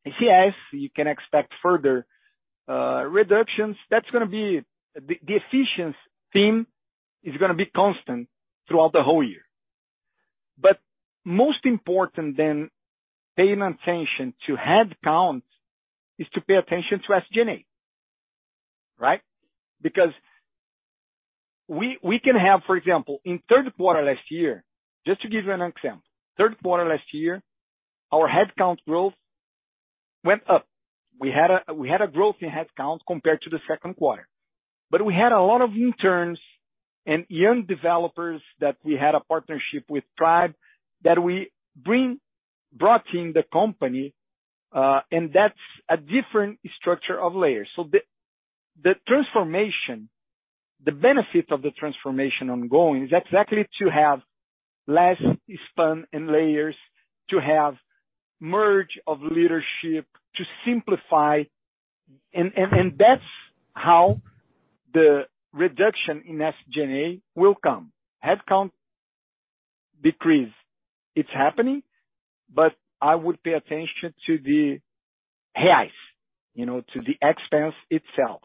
yes, you can expect further reductions. The efficiency is gonna be constant throughout the whole year. Most important than paying attention to headcount is to pay attention to SG&A, right? We can have, for example, in third quarter last year, just to give you an example, third quarter last year, our headcount growth went up. We had a growth in headcount compared to the second quarter. We had a lot of interns and young developers that we had a partnership with Trybe that we brought in the company, and that's a different structure of layers. The transformation, the benefit of the transformation ongoing is exactly to have less span and layers, to have merge of leadership, to simplify. That's how the reduction in SG&A will come. Headcount decrease, it's happening, but I would pay attention to the reais, you know, to the expense itself.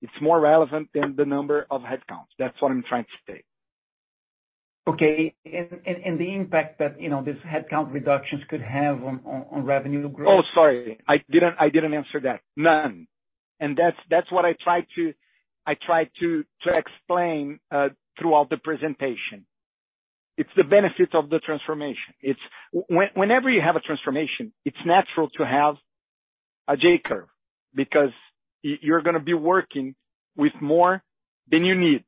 It's more relevant than the number of headcounts. That's what I'm trying to say. Okay. The impact that, you know, these headcount reductions could have on revenue growth. Oh, sorry, I didn't, I didn't answer that. None. That's what I tried to explain throughout the presentation. It's the benefit of the transformation. Whenever you have a transformation, it's natural to have a J-curve because you're gonna be working with more than you need.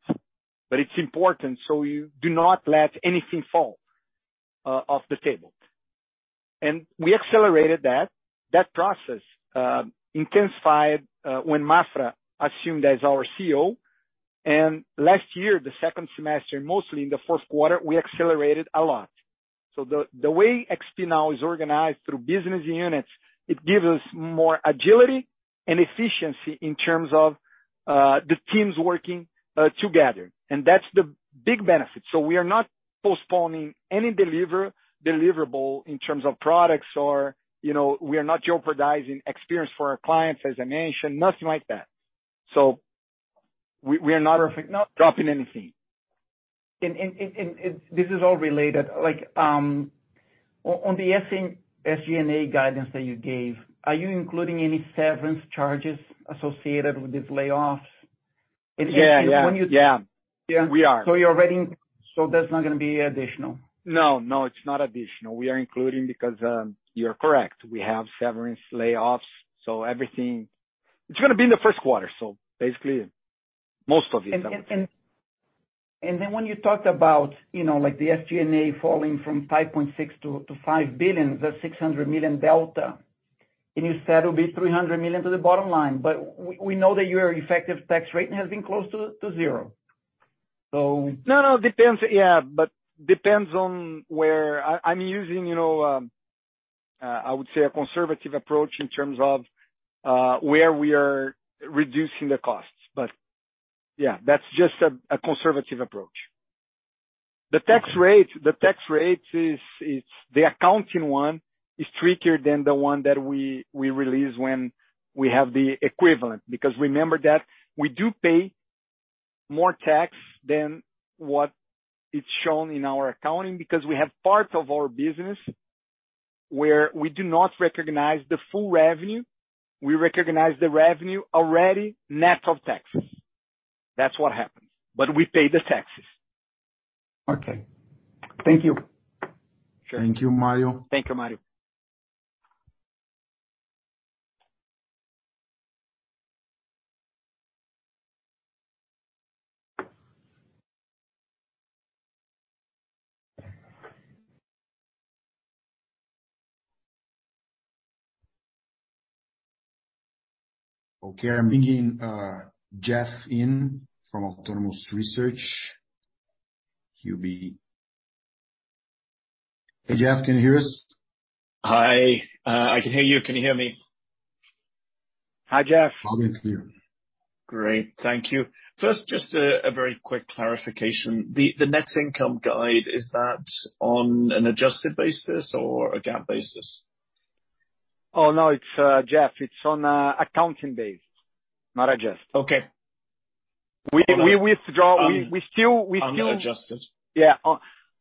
It's important, so you do not let anything fall off the table. We accelerated that. That process intensified when Maffra assumed as our CEO. Last year, the second semester, mostly in the fourth quarter, we accelerated a lot. The way XP now is organized through business units, it gives us more agility and efficiency in terms of the teams working together. That's the big benefit. We are not postponing any deliverable in terms of products or, you know, we are not jeopardizing experience for our clients, as I mentioned, nothing like that. We are not dropping anything. This is all related. Like, on the SG&A guidance that you gave, are you including any severance charges associated with these layoffs? Yeah. Yeah. Yeah. When We are. You're already in... That's not gonna be additional? No, it's not additional. We are including because, you're correct. We have severance layoffs, so everything. It's going to be in the first quarter, so basically most of it. When you talked about, you know, like the SG&A falling from 5.6 to $5 billion, the $600 million delta, and you said it'll be $300 million to the bottom line. We know that your effective tax rate has been close to zero. No, depends. Yeah, but depends on where... I'm using, you know, I would say a conservative approach in terms of where we are reducing the costs. Yeah, that's just a conservative approach. The tax rate, the accounting one is trickier than the one that we release when we have the equivalent. Remember that we do pay more tax than what is shown in our accounting because we have parts of our business where we do not recognize the full revenue. We recognize the revenue already net of taxes. That's what happens. We pay the taxes. Okay. Thank you. Thank you, Mario. Okay. I'm bringing Jeff in from Autonomous Research. Hey, Jeff, can you hear us? Hi. I can hear you. Can you hear me? Hi, Jeff. All good here. Great. Thank you. First, just a very quick clarification. The net income guide, is that on an adjusted basis or a GAAP basis? Oh, no, it's Jeff, it's on accounting base, not adjusted. Okay. We withdraw. We still. Unadjusted.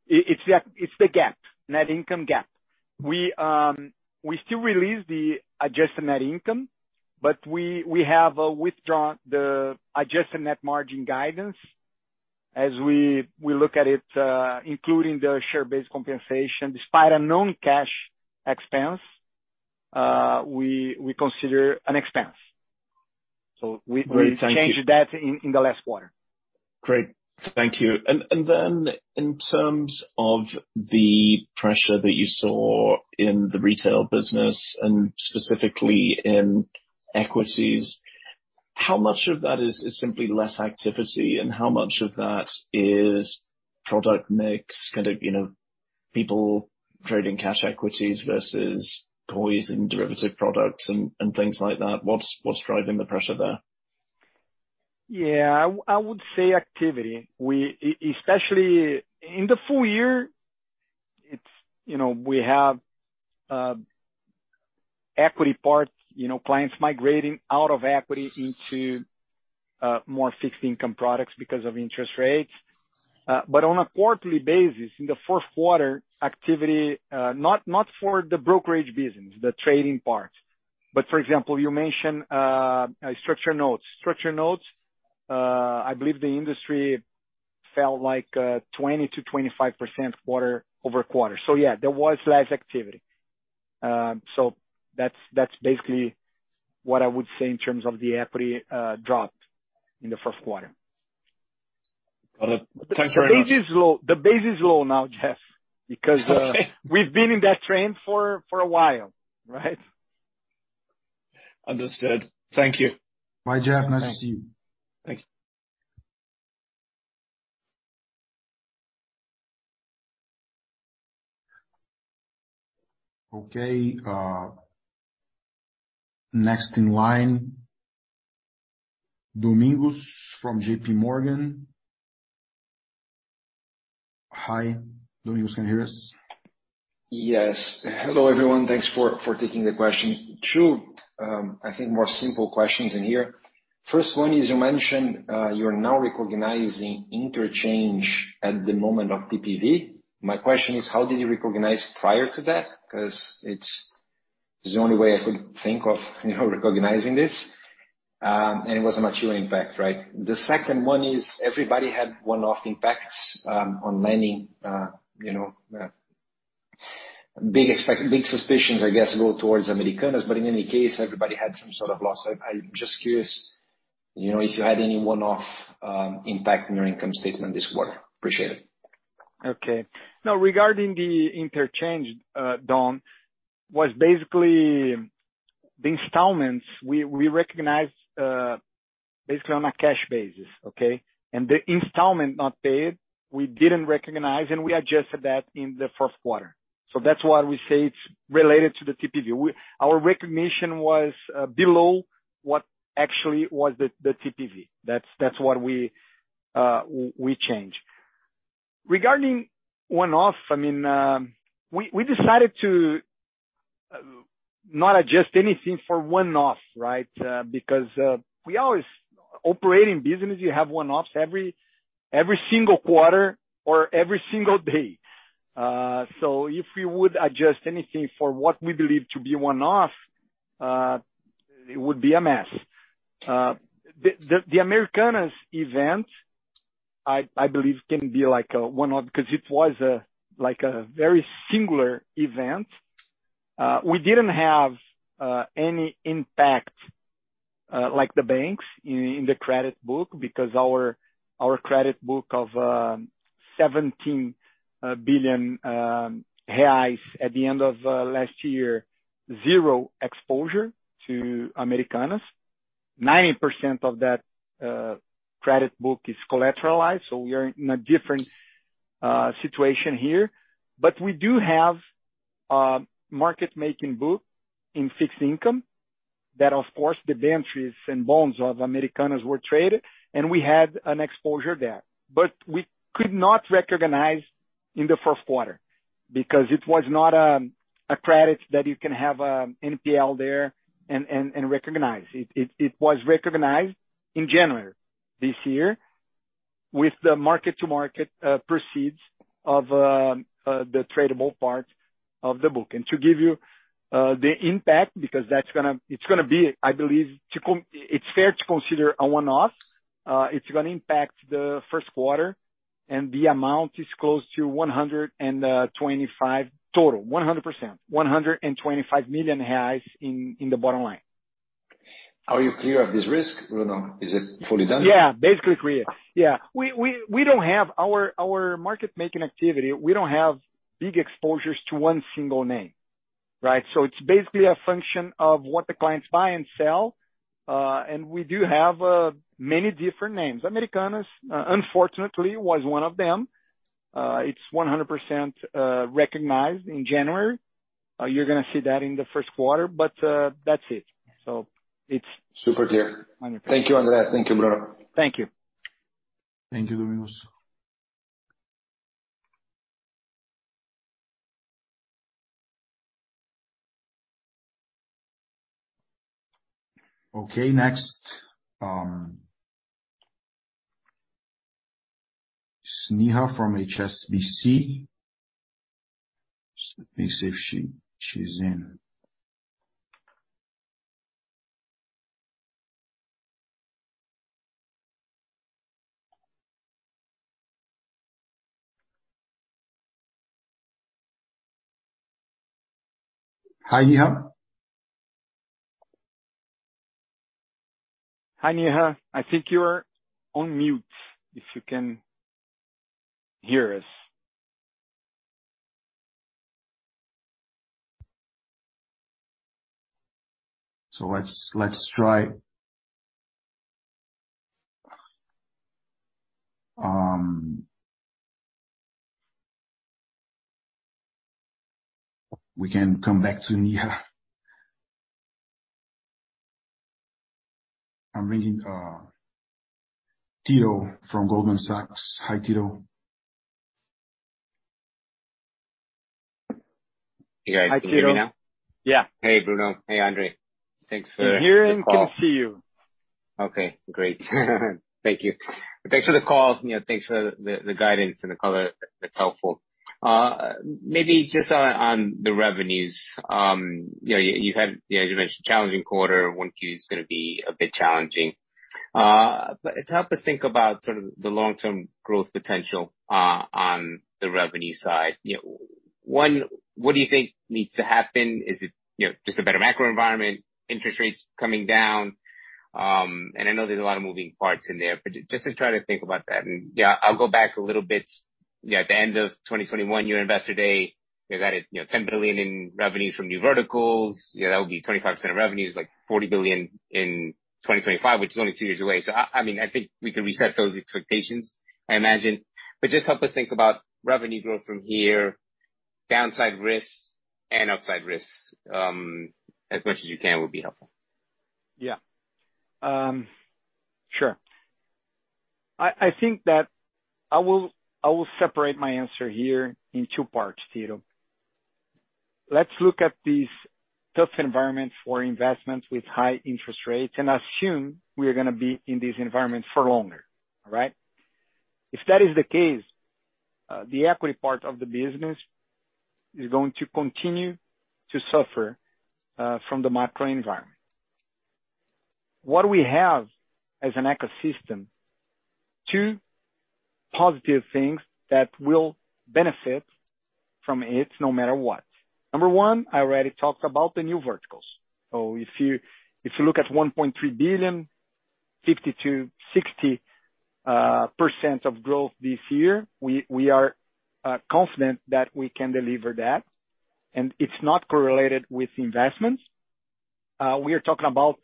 It's the GAAP. Net income GAAP. We still release the adjusted net income, we have withdrawn the adjusted net margin guidance as we look at it, including the share-based compensation. Despite a non-cash expense, we consider an expense. Great. Thank you. We changed that in the last quarter. Great. Thank you. Then in terms of the pressure that you saw in the retail business and specifically in equities, how much of that is simply less activity and how much of that is product mix, kind of, you know, people trading cash equities versus coins and derivative products and things like that? What's driving the pressure there? Yeah. I would say activity. In the full year, it's, you know, we have equity parts, you know, clients migrating out of equity into more fixed income products because of interest rates. On a quarterly basis, in the fourth quarter, activity, not for the brokerage business, the trading part, but for example, you mentioned structure notes. Structure notes, I believe the industry fell like 20%-25% quarter-over-quarter. Yeah, there was less activity. That's basically what I would say in terms of the equity drop in the first quarter. Got it. Thanks very much. The base is low. The base is low now, Jeff, we've been in that trend for a while, right? Understood. Thank you. Bye, Jeff. Nice to see you. Thank you. Okay. Next in line, Domingos from JP Morgan. Hi, Domingos, can you hear us? Yes. Hello, everyone. Thanks for taking the questions. Two, I think more simple questions in here. First one is, you mentioned, you're now recognizing interchange at the moment of TPV. My question is, how did you recognize prior to that? Because it's the only way I could think of, you know, recognizing this, and it was a material impact, right? The second one is everybody had one-off impacts on lending. You know, big suspicions, I guess, go towards Americanas, but in any case, everybody had some sort of loss. I'm just curious, you know, if you had any one-off impact in your income statement this quarter. Appreciate it. Okay. No, regarding the interchange, Dom, was basically the installments we recognized basically on a cash basis, okay. The installment not paid, we didn't recognize, and we adjusted that in the first quarter. That's why we say it's related to the TPV. Our recognition was below what actually was the TPV. That's what we changed. Regarding one-off, I mean, we decided to not adjust anything for one-off, right? Because we always Operating business, you have one-offs every single quarter or every single day. If we would adjust anything for what we believe to be one-off, it would be a mess. The Americanas event, I believe can be like a one-off 'cause it was like a very singular event. We didn't have any impact like the banks in the credit book because our credit book of 17 billion reais at the end of last year, zero exposure to Americanas. 90% of that credit book is collateralized, we are in a different situation here. We do have a market-making book in fixed income that, of course, the ventures and bonds of Americanas were traded, and we had an exposure there. We could not recognize in the first quarter because it was not a credit that you can have NPL there and recognize. It was recognized in January this year with the mark-to-market proceeds of the tradable part of the book. To give you the impact, because that's gonna... It's gonna be, I believe, It's fair to consider a one-off. It's gonna impact the first quarter, the amount is close to 125 total, 100%, 125 million reais in the bottom line. Are you clear of this risk, Bruno? Is it fully done? Yeah, basically clear. Yeah. Our market-making activity, we don't have big exposures to one single name, right? it's basically a function of what the clients buy and sell, and we do have many different names. Americanas, unfortunately was one of them. it's 100% recognized in January. you're gonna see that in the first quarter, that's it. Super clear. Wonderful. Thank you, André. Thank you, Bruno. Thank you. Thank you, Domingos. Okay, next, Neha from HSBC. Let me see if she's in. Hi, Neha. Hi, Neha. I think you are on mute, if you can hear us. Let's try. We can come back to Neha. I'm bringing Tito from Goldman Sachs. Hi, Tito. You guys can hear me now? Hi, Tito. Yeah. Hey, Bruno. Hey, André. Thanks for the call. We hear and can see you. Okay, great. Thank you. Thanks for the call. You know, thanks for the guidance and the color. That's helpful. Maybe just on the revenues, you know, you mentioned challenging quarter. 1Q is gonna be a bit challenging. Help us think about sort of the long-term growth potential on the revenue side. You know, one, what do you think needs to happen? Is it, you know, just a better macro environment, interest rates coming down? I know there's a lot of moving parts in there, but just to try to think about that. Yeah, I'll go back a little bit. Yeah, at the end of 2021, your Investor Day, you guided, you know, $10 billion in revenues from new verticals. You know, that would be 25% of revenues, like 40 billion in 2025, which is only two years away. I mean, I think we can reset those expectations, I imagine. Just help us think about revenue growth from here, downside risks and upside risks, as much as you can, will be helpful. Yeah. Sure. I think that I will separate my answer here in two parts, Tito. Let's look at these tough environments for investments with high interest rates and assume we're gonna be in this environment for longer. All right? If that is the case, the equity part of the business is going to continue to suffer from the macro environment. What we have as an ecosystem, two positive things that will benefit from it no matter what. Number one, I already talked about the new verticals. If you look at 1.3 billion, 50%-60% of growth this year, we are confident that we can deliver that, and it's not correlated with investments. We are talking about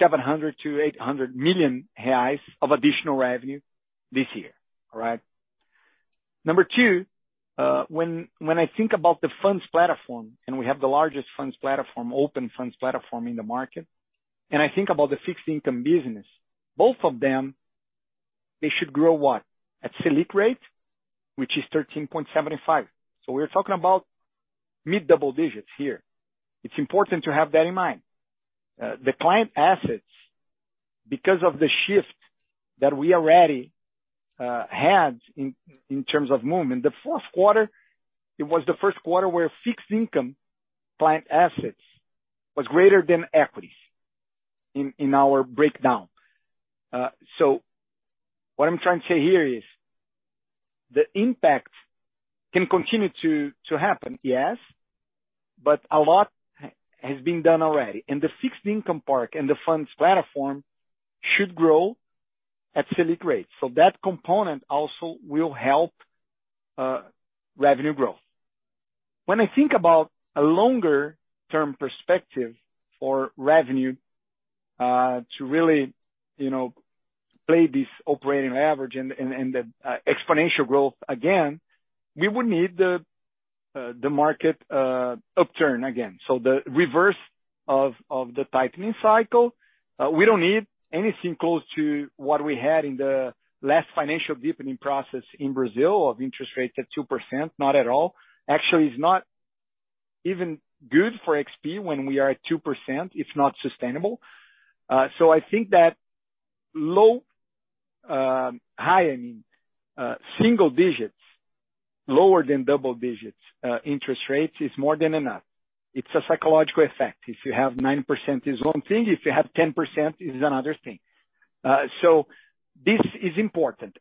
700 million-800 million reais of additional revenue this year. All right? Number two, when I think about the funds platform, we have the largest funds platform, open funds platform in the market, I think about the fixed income business, both of them, they should grow what? At Selic rate, which is 13.75%. We're talking about mid-double digits here. It's important to have that in mind. The client assets, because of the shift that we already had in terms of movement, the fourth quarter, it was the first quarter where fixed income client assets was greater than equities in our breakdown. What I'm trying to say here is the impact can continue to happen, yes. A lot has been done already. The fixed income part and the funds platform should grow at Selic rates. That component also will help revenue growth. When I think about a longer term perspective for revenue, you know, to really play this operating average and the exponential growth again, we would need the market upturn again. The reverse of the tightening cycle. We don't need anything close to what we had in the last financial deepening process in Brazil of interest rates at 2%, not at all. Actually, it's not even good for XP when we are at 2%. It's not sustainable. I think that low single digits lower than double digits interest rates is more than enough. It's a psychological effect. If you have 9% is one thing, if you have 10% is another thing. This is important.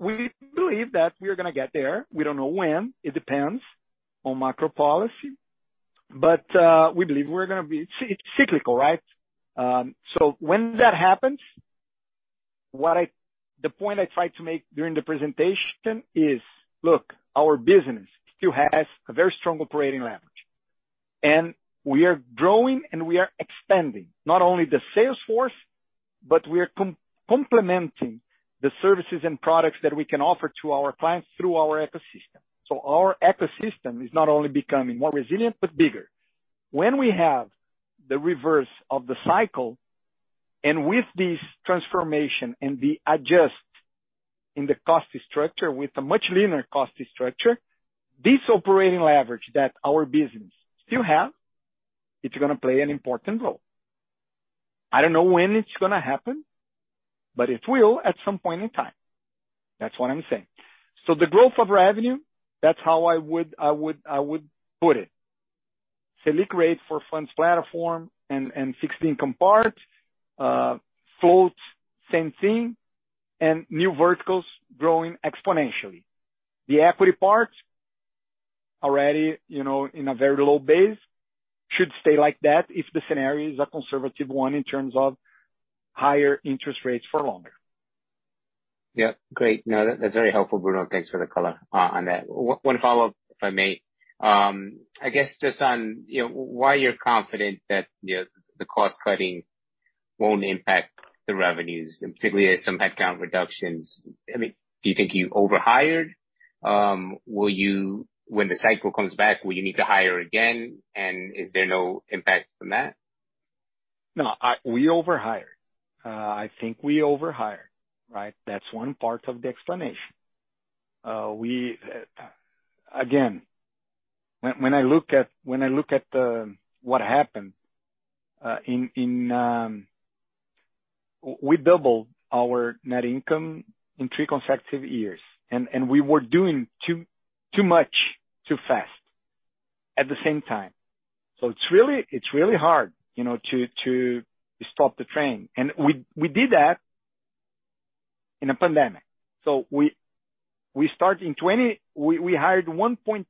We believe that we are gonna get there. We don't know when. It depends on macro policy. We believe it's cyclical, right? When that happens, the point I tried to make during the presentation is, look, our business still has a very strong operating leverage. We are growing and we are expanding, not only the sales force, but we are complementing the services and products that we can offer to our clients through our ecosystem. Our ecosystem is not only becoming more resilient, but bigger. When we have the reverse of the cycle, and with this transformation and the adjust in the cost structure with a much leaner cost structure, this operating leverage that our business still have, it's gonna play an important role. I don't know when it's gonna happen, but it will at some point in time. That's what I'm saying. The growth of revenue, that's how I would put it. Selic rate for funds platform and fixed income part, floats, same thing, and new verticals growing exponentially. The equity part already, you know, in a very low base should stay like that if the scenario is a conservative one in terms of higher interest rates for longer. Yeah, great. That's very helpful, Bruno. Thanks for the color on that. One follow-up, if I may. I guess just on, you know, why you're confident that, you know, the cost cutting won't impact the revenues, and particularly as some headcount reductions. I mean, do you think you overhired? When the cycle comes back, will you need to hire again? Is there no impact from that? No, we overhired. I think we overhired, right? That's one part of the explanation. Again, when I look at what happened in, we doubled our net income in three consecutive years. we were doing too much, too fast at the same time. it's really hard, you know, to stop the train. we did that in a pandemic. we start in 2020... we hired 1.2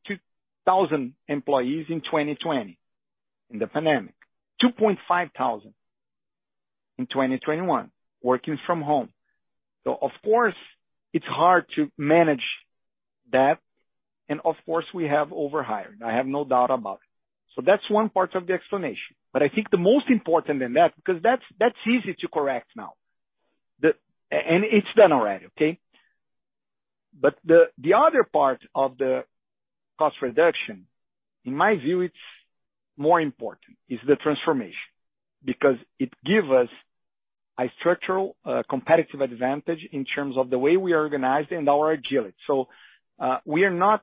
thousand employees in 2020, in the pandemic. 2.5 thousand in 2021 working from home. of course it's hard to manage that, and of course we have overhired. I have no doubt about it. that's one part of the explanation. I think the most important than that, because that's easy to correct now. It's done already, okay? The other part of the cost reduction, in my view, it's more important, is the transformation. It give us a structural competitive advantage in terms of the way we are organized and our agility. We are not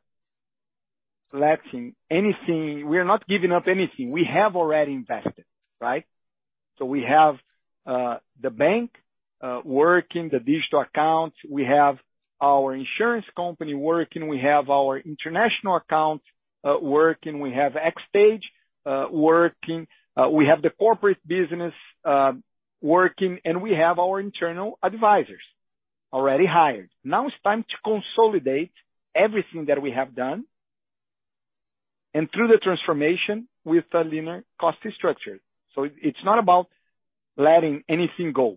lacking anything. We are not giving up anything. We have already invested, right? We have the bank working, the digital accounts. We have our insurance company working. We have our international accounts working. We have XTAGE working. We have the corporate business working. We have our internal advisors already hired. Now it's time to consolidate everything that we have done, and through the transformation with a leaner cost structure. It's not about letting anything go.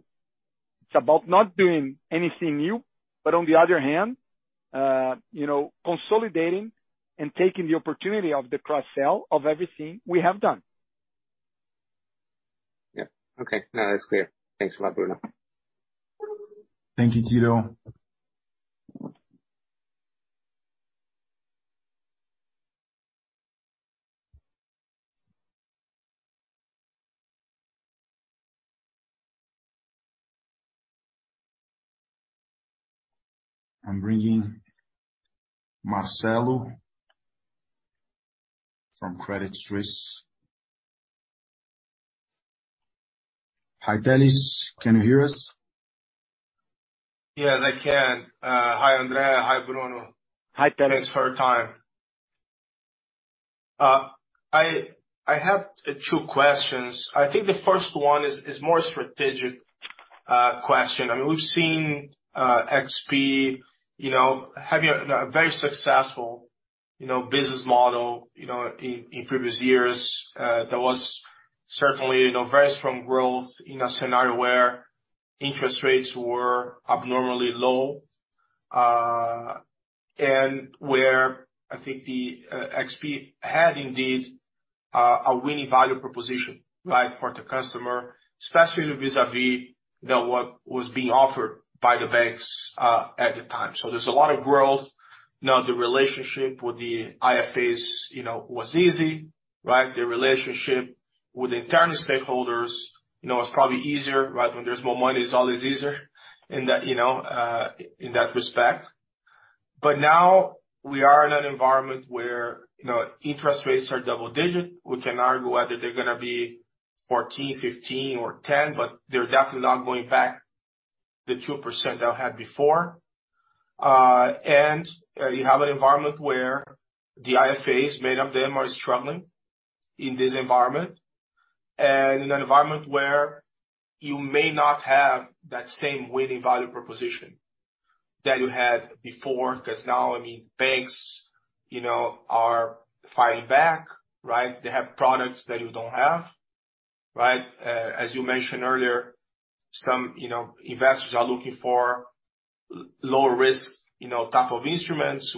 It's about not doing anything new. On the other hand, you know, consolidating and taking the opportunity of the cross-sell of everything we have done. Yeah. Okay. No, that's clear. Thanks a lot, Bruno. Thank you, Tito. I'm bringing Marcelo from Credit Suisse. Hi, Telles. Can you hear us? Yes, I can. Hi, André. Hi, Bruno. Hi, Telles. Thanks for your time. I have two questions. I think the first one is more strategic. Question. I mean, we've seen XP, you know, having a very successful, you know, business model, you know, in previous years. There was certainly, you know, very strong growth in a scenario where interest rates were abnormally low, and where I think the XP had indeed a winning value proposition, right? For the customer, especially vis-a-vis than what was being offered by the banks at the time. There's a lot of growth. You know, the relationship with the IFAs, you know, was easy, right? The relationship with the internal stakeholders, you know, was probably easier, right? When there's more money, it's always easier in that, you know, in that respect. Now we are in an environment where, you know, interest rates are double digit. We can argue whether they're gonna be 14, 15, or 10, but they're definitely not going back the 2% they had before. You have an environment where the IFAs, many of them are struggling in this environment. In an environment where you may not have that same winning value proposition that you had before, 'cause now, I mean, banks, you know, are fighting back, right? They have products that you don't have, right? As you mentioned earlier, some, you know, investors are looking for lower risk, you know, type of instruments,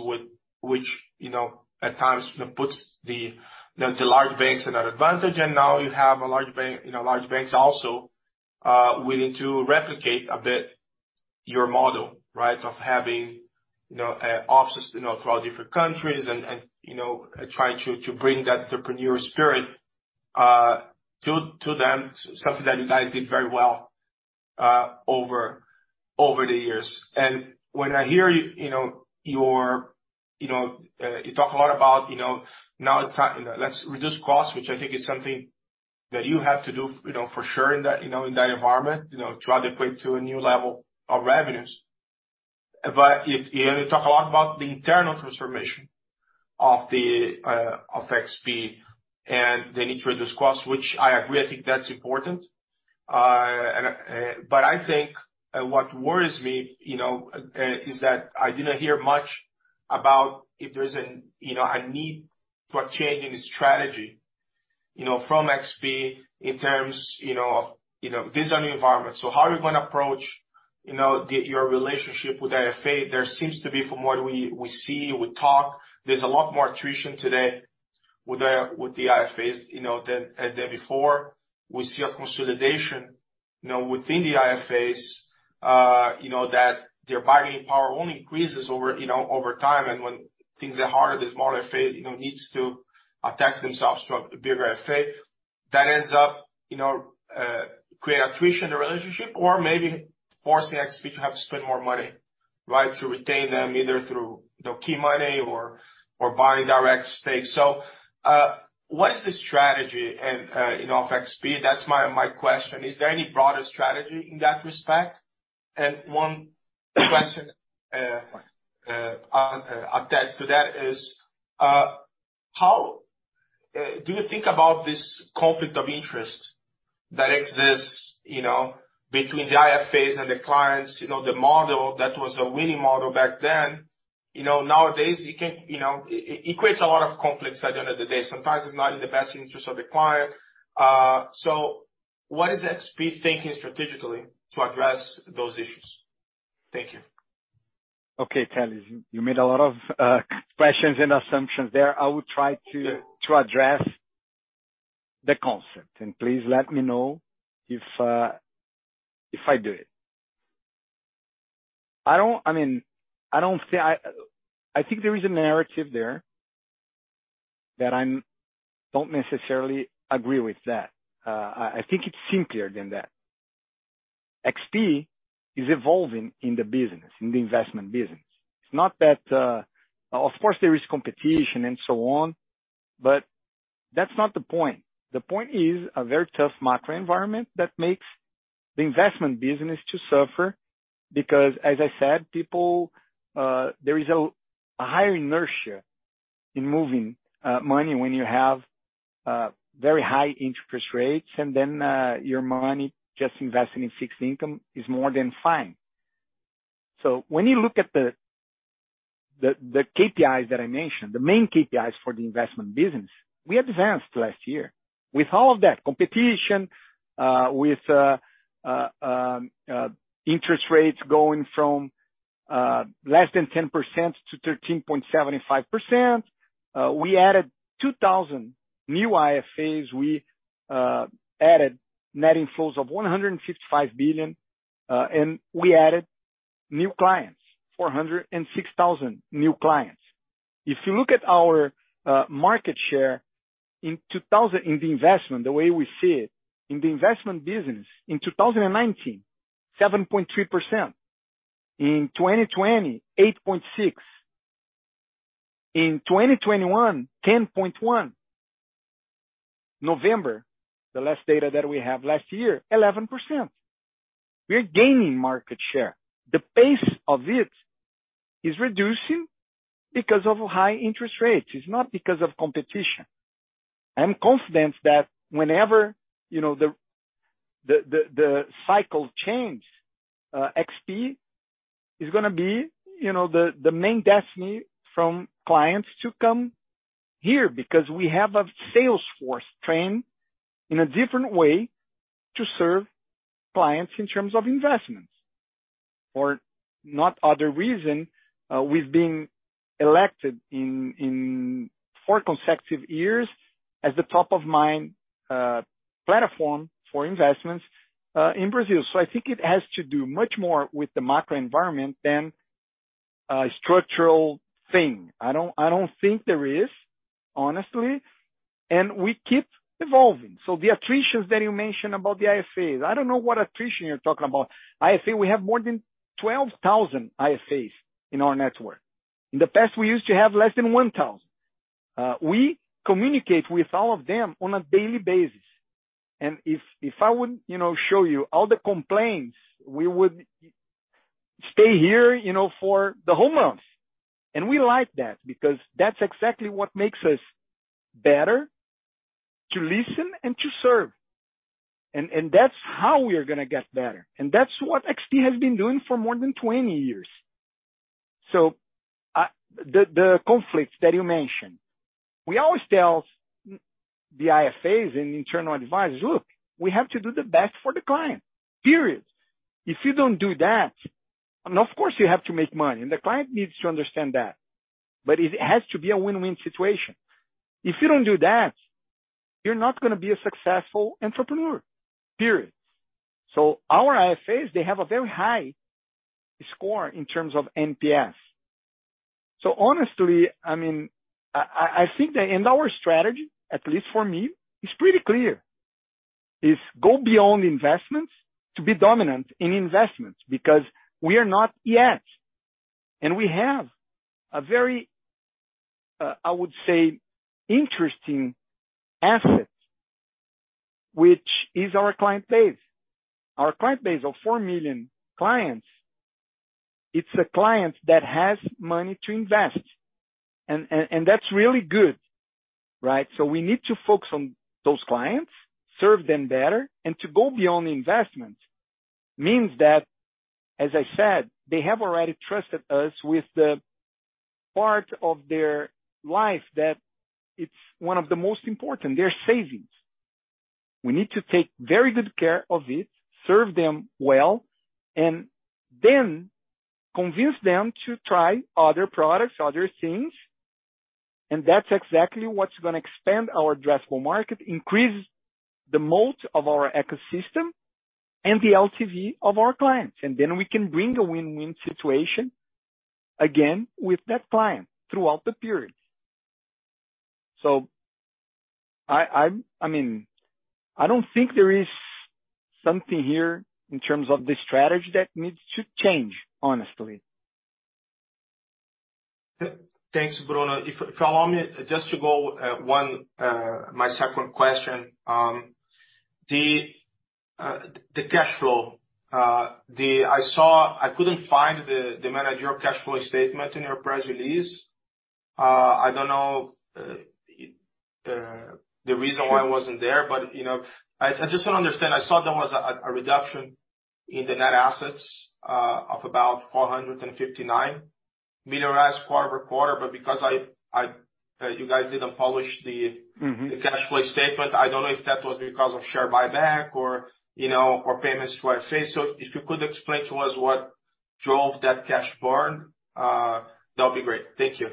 which, you know, at times, you know, puts the, you know, the large banks at an advantage. Now you have a large bank, you know, large banks also willing to replicate a bit your model, right? Of having, you know, offices, you know, throughout different countries and, you know, try to bring that entrepreneurial spirit to them, something that you guys did very well over the years. When I hear you know, your, you know, you talk a lot about, you know, now it's time... Let's reduce costs, which I think is something that you have to do, you know, for sure in that, you know, in that environment, you know, to adequate to a new level of revenues. You only talk a lot about the internal transformation of the of XP and the need to reduce costs, which I agree, I think that's important. But I think, what worries me, you know, is that I didn't hear much about if there's a need for a change in the strategy, you know, from XP in terms, you know, of, you know. This is a new environment, so how are you gonna approach, you know, the, your relationship with IFA? There seems to be, from what we see, we talk, there's a lot more attrition today with the, with the IFAs, you know, than before. We see a consolidation, you know, within the IFAs, you know, that their bargaining power only increases over, you know, over time. When things are harder, the smaller IFA, you know, needs to attach themselves to a bigger IFA. That ends up, you know, create attrition in the relationship or maybe forcing XP to have to spend more money, right? To retain them, either through, you know, key money or buying direct stakes. What is the strategy and, you know, of XP? That's my question. Is there any broader strategy in that respect? One question attached to that is, how do you think about this conflict of interest that exists, you know, between the IFAs and the clients? You know, the model that was a winning model back then. You know, nowadays, it creates a lot of conflicts at the end of the day. Sometimes it's not in the best interest of the client. What is XP thinking strategically to address those issues? Thank you. Telles, you made a lot of expressions and assumptions there. I will try. Yeah. to address the concept, and please let me know if I do it. I mean, I think there is a narrative there that don't necessarily agree with that. I think it's simpler than that. XP is evolving in the business, in the investment business. It's not that. Of course there is competition and so on, that's not the point. The point is a very tough macro environment that makes the investment business to suffer because, as I said, people, there is a higher inertia in moving money when you have very high interest rates, your money just investing in fixed income is more than fine. When you look at the KPIs that I mentioned, the main KPIs for the investment business, we advanced last year. With all of that competition, uh, with, uh, uh, um, uh, interest rates going from, uh, less than ten percent to thirteen point seven five percent, uh, we added two thousand new IFAs. We, uh, added net inflows of one hundred and fifty-five billion, uh, and we added new clients, four hundred and six thousand new clients. If you look at our, uh, market share in two thousand... In the investment, the way we see it, in the investment business, in two thousand and nineteen, seven point three percent. In twenty twenty, eight point six. In twenty twenty-one, ten point one. November, the last data that we have last year, eleven percent. We're gaining market share. The pace of it is reducing because of high interest rates. It's not because of competition. I'm confident that whenever, you know, the cycle change, XP is gonna be, you know, the main destiny from clients to come here because we have a sales force trained in a different way to serve clients in terms of investments. Not other reason, we've been elected in four consecutive years as the top of mind platform for investments in Brazil. I think it has to do much more with the macro environment than a structural thing. I don't think there is, honestly, and we keep evolving. The attritions that you mentioned about the IFAs, I don't know what attrition you're talking about. IFA, we have more than 12,000 IFAs in our network. In the past, we used to have less than 1,000. We communicate with all of them on a daily basis. If I would, you know, show you all the complaints, we would stay here, you know, for the home runs. We like that because that's exactly what makes us better to listen and to serve. That's how we are gonna get better. That's what XP has been doing for more than 20 years. The conflicts that you mentioned, we always tell the IFAs and internal advisors, "Look, we have to do the best for the client, period." If you don't do that. Of course you have to make money, and the client needs to understand that, but it has to be a win-win situation. If you don't do that, you're not gonna be a successful entrepreneur, period. Our IFAs, they have a very high score in terms of NPS. Honestly, I mean, I think that our strategy, at least for me, is pretty clear. Is go beyond investments to be dominant in investments because we are not yet. We have a very, I would say, interesting asset, which is our client base. Our client base of 4 million clients, it's the clients that has money to invest. That's really good, right? We need to focus on those clients, serve them better, and to go beyond the investment means that, as I said, they have already trusted us with the part of their life that it's one of the most important, their savings. We need to take very good care of it, serve them well, convince them to try other products, other things. That's exactly what's gonna expand our addressable market, increase the moat of our ecosystem and the LTV of our clients. Then we can bring a win-win situation again with that client throughout the period. I mean, I don't think there is something here in terms of the strategy that needs to change, honestly. Thanks, Bruno. If you allow me just to go, one, my second question, the cash flow. I couldn't find the manager cash flow statement in your press release. I don't know the reason why it wasn't there, but, you know. I just don't understand. I saw there was a reduction in the net assets of about BRL 459 million quarter-over-quarter, but because you guys didn't publish the. Mm-hmm. the cash flow statement, I don't know if that was because of share buyback or, you know, or payments to IFAs. If you could explain to us what drove that cash burn, that would be great. Thank you.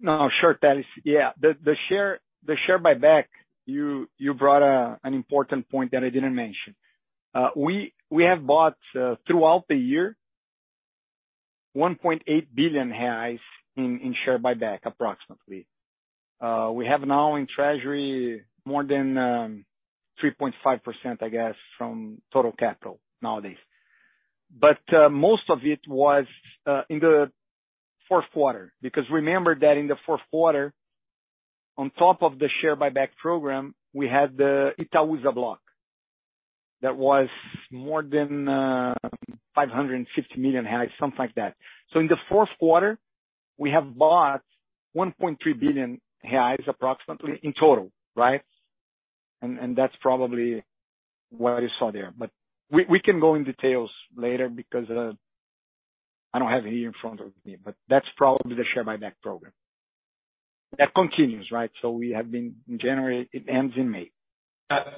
No, no, sure, Telles. Yeah. The share buyback, you brought an important point that I didn't mention. We have bought throughout the year 1.8 billion reais in share buyback approximately. We have now in treasury more than 3.5%, I guess, from total capital nowadays. Most of it was in the fourth quarter, because remember that in the fourth quarter, on top of the share buyback program, we had the Itaúsa block that was more than 550 million, something like that. In the fourth quarter, we have bought 1.3 billion reais approximately in total, right? That's probably what you saw there. We can go in details later because I don't have it here in front of me, but that's probably the share buyback program. That continues, right? We have been in January, it ends in May.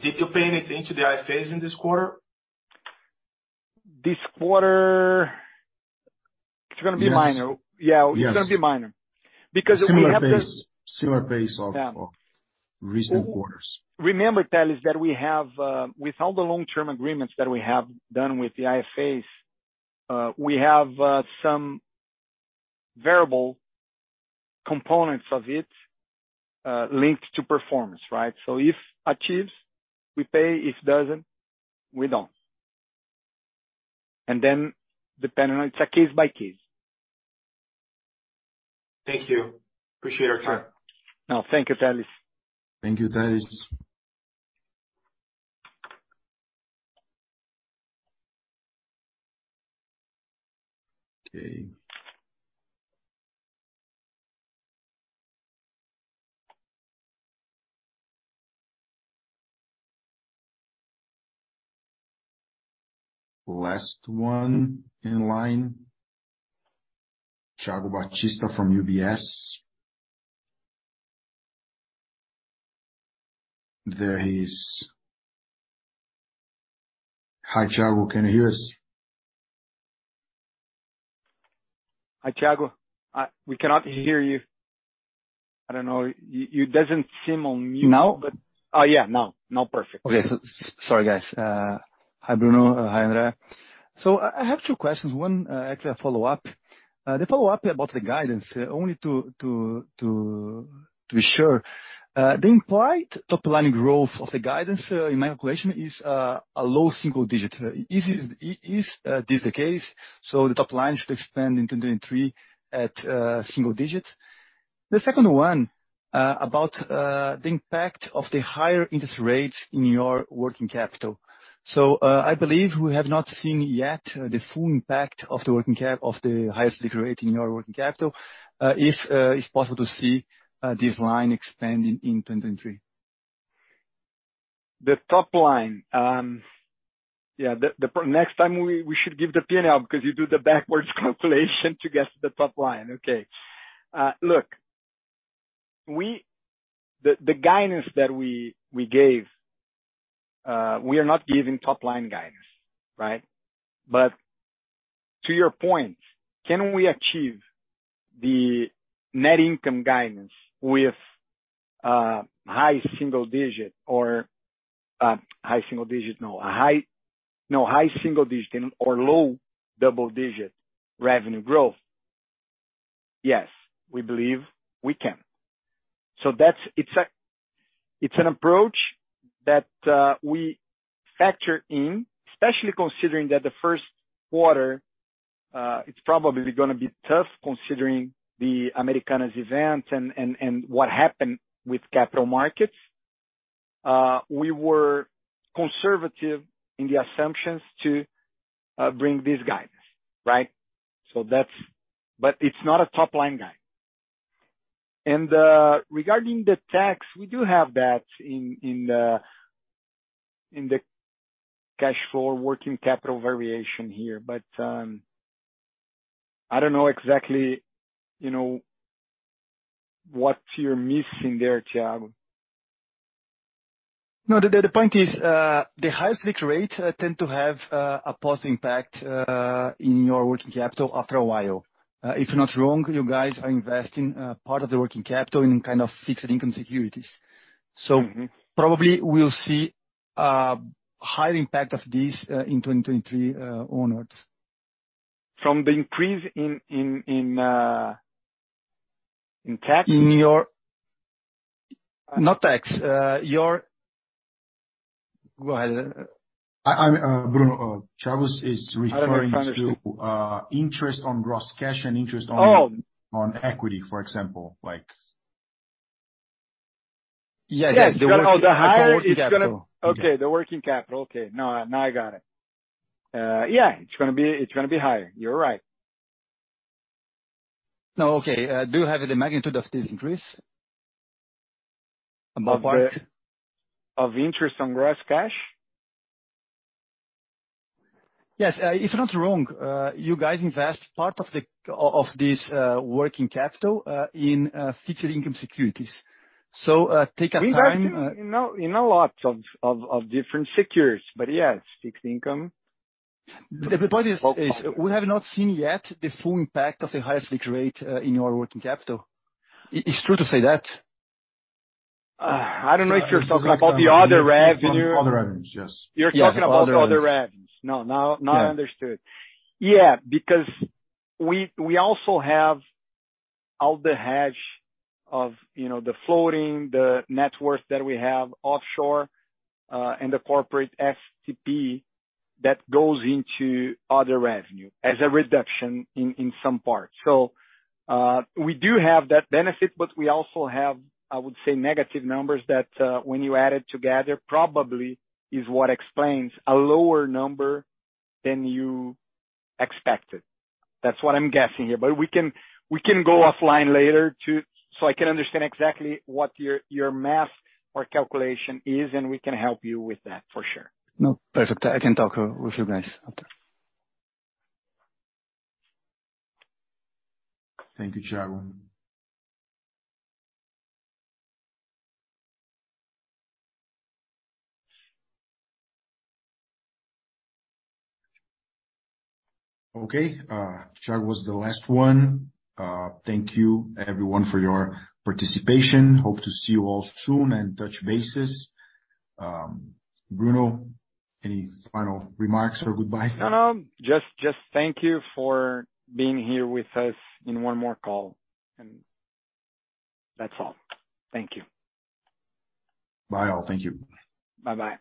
Did you pay anything to the IFAs in this quarter? This quarter... It's gonna be minor. Yes. Yeah. Yes. It's gonna be minor. We have this. Similar base. Yeah. of recent quarters. Remember, Telles, that we have, with all the long-term agreements that we have done with the IFAs, we have some variable components of it, linked to performance, right? If achieves, we pay. If doesn't, we don't. Depending on. It's a case by case. Thank you. Appreciate your time. No, thank you, Telles. Thank you, Telles. Okay. Last one in line. Thiago Batista from UBS. There he is. Hi, Thiago. Can you hear us? Hi, Thiago. we cannot hear you. I don't know. You doesn't seem on mute, but... Now? Oh, yeah, now, perfect. Okay. Sorry, guys. Hi, Bruno. Hi, André. I have two questions, one actually a follow-up. The follow-up about the guidance, only to be sure. The implied top line growth of the guidance, in my calculation is a low single digit. Is this the case? The top line should expand in 2023 at single digit. The second one about the impact of the higher interest rates in your working capital. I believe we have not seen yet the full impact of the highest rate in your working capital. If it's possible to see this line expanding in 2023. The top line, next time we should give the P&L because you do the backwards calculation to guess the top line. Okay. Look, the guidance that we gave, we are not giving top line guidance, right? To your point, can we achieve the net income guidance with high single digit or low double digit revenue growth? Yes, we believe we can. That's it's a, it's an approach that we factor in, especially considering that the first quarter, it's probably gonna be tough considering the Americanas event and what happened with capital markets. We were conservative in the assumptions to bring this guidance, right? It's not a top line guide. Regarding the tax, we do have that in the cash flow working capital variation here. I don't know exactly, you know, what you're missing there, Thiago. No, the point is the highest Selic rate tend to have a positive impact in your working capital after a while. If not wrong, you guys are investing part of the working capital in kind of fixed income securities. Mm-hmm. Probably we'll see, higher impact of this, in 2023, onwards. From the increase in tax? In your... Not tax. your... Go ahead. I'm, Bruno, Thiago is referring. I don't understand.... to, interest on gross cash and interest. Oh... on equity, for example, like... Yes, yes. Yes. Got it. Oh, the higher it's gonna- The working capital. Yeah. Okay, the working capital. Okay. Now I got it. It's gonna be higher. You're right. No. Okay. Do you have the magnitude of this increase? Of interest on gross cash? Yes. If not wrong, you guys invest part of this working capital in fixed income securities. Take a time. We've actually, you know, in a lot of different securities, yeah, it's fixed income. The point is we have not seen yet the full impact of the highest Selic rate in your working capital. It's true to say that. I don't know if you're talking about the other revenue. Other revenues, yes. You're talking about other revenues. Yeah, other revenues. Now I understood. Because we also have all the hedge of, you know, the floating, the net worth that we have offshore, and the corporate FTP that goes into other revenue as a reduction in some parts. We do have that benefit, but we also have, I would say, negative numbers that when you add it together probably is what explains a lower number than you expected. That's what I'm guessing here. We can go offline later so I can understand exactly what your math or calculation is, and we can help you with that for sure. No. Perfect. I can talk with you guys after. Thank you, Thiago. Okay, Thiago was the last one. Thank you everyone for your participation. Hope to see you all soon and touch bases. Bruno, any final remarks or goodbyes? No, no. Just thank you for being here with us in one more call. That's all. Thank you. Bye all. Thank you. Bye-bye.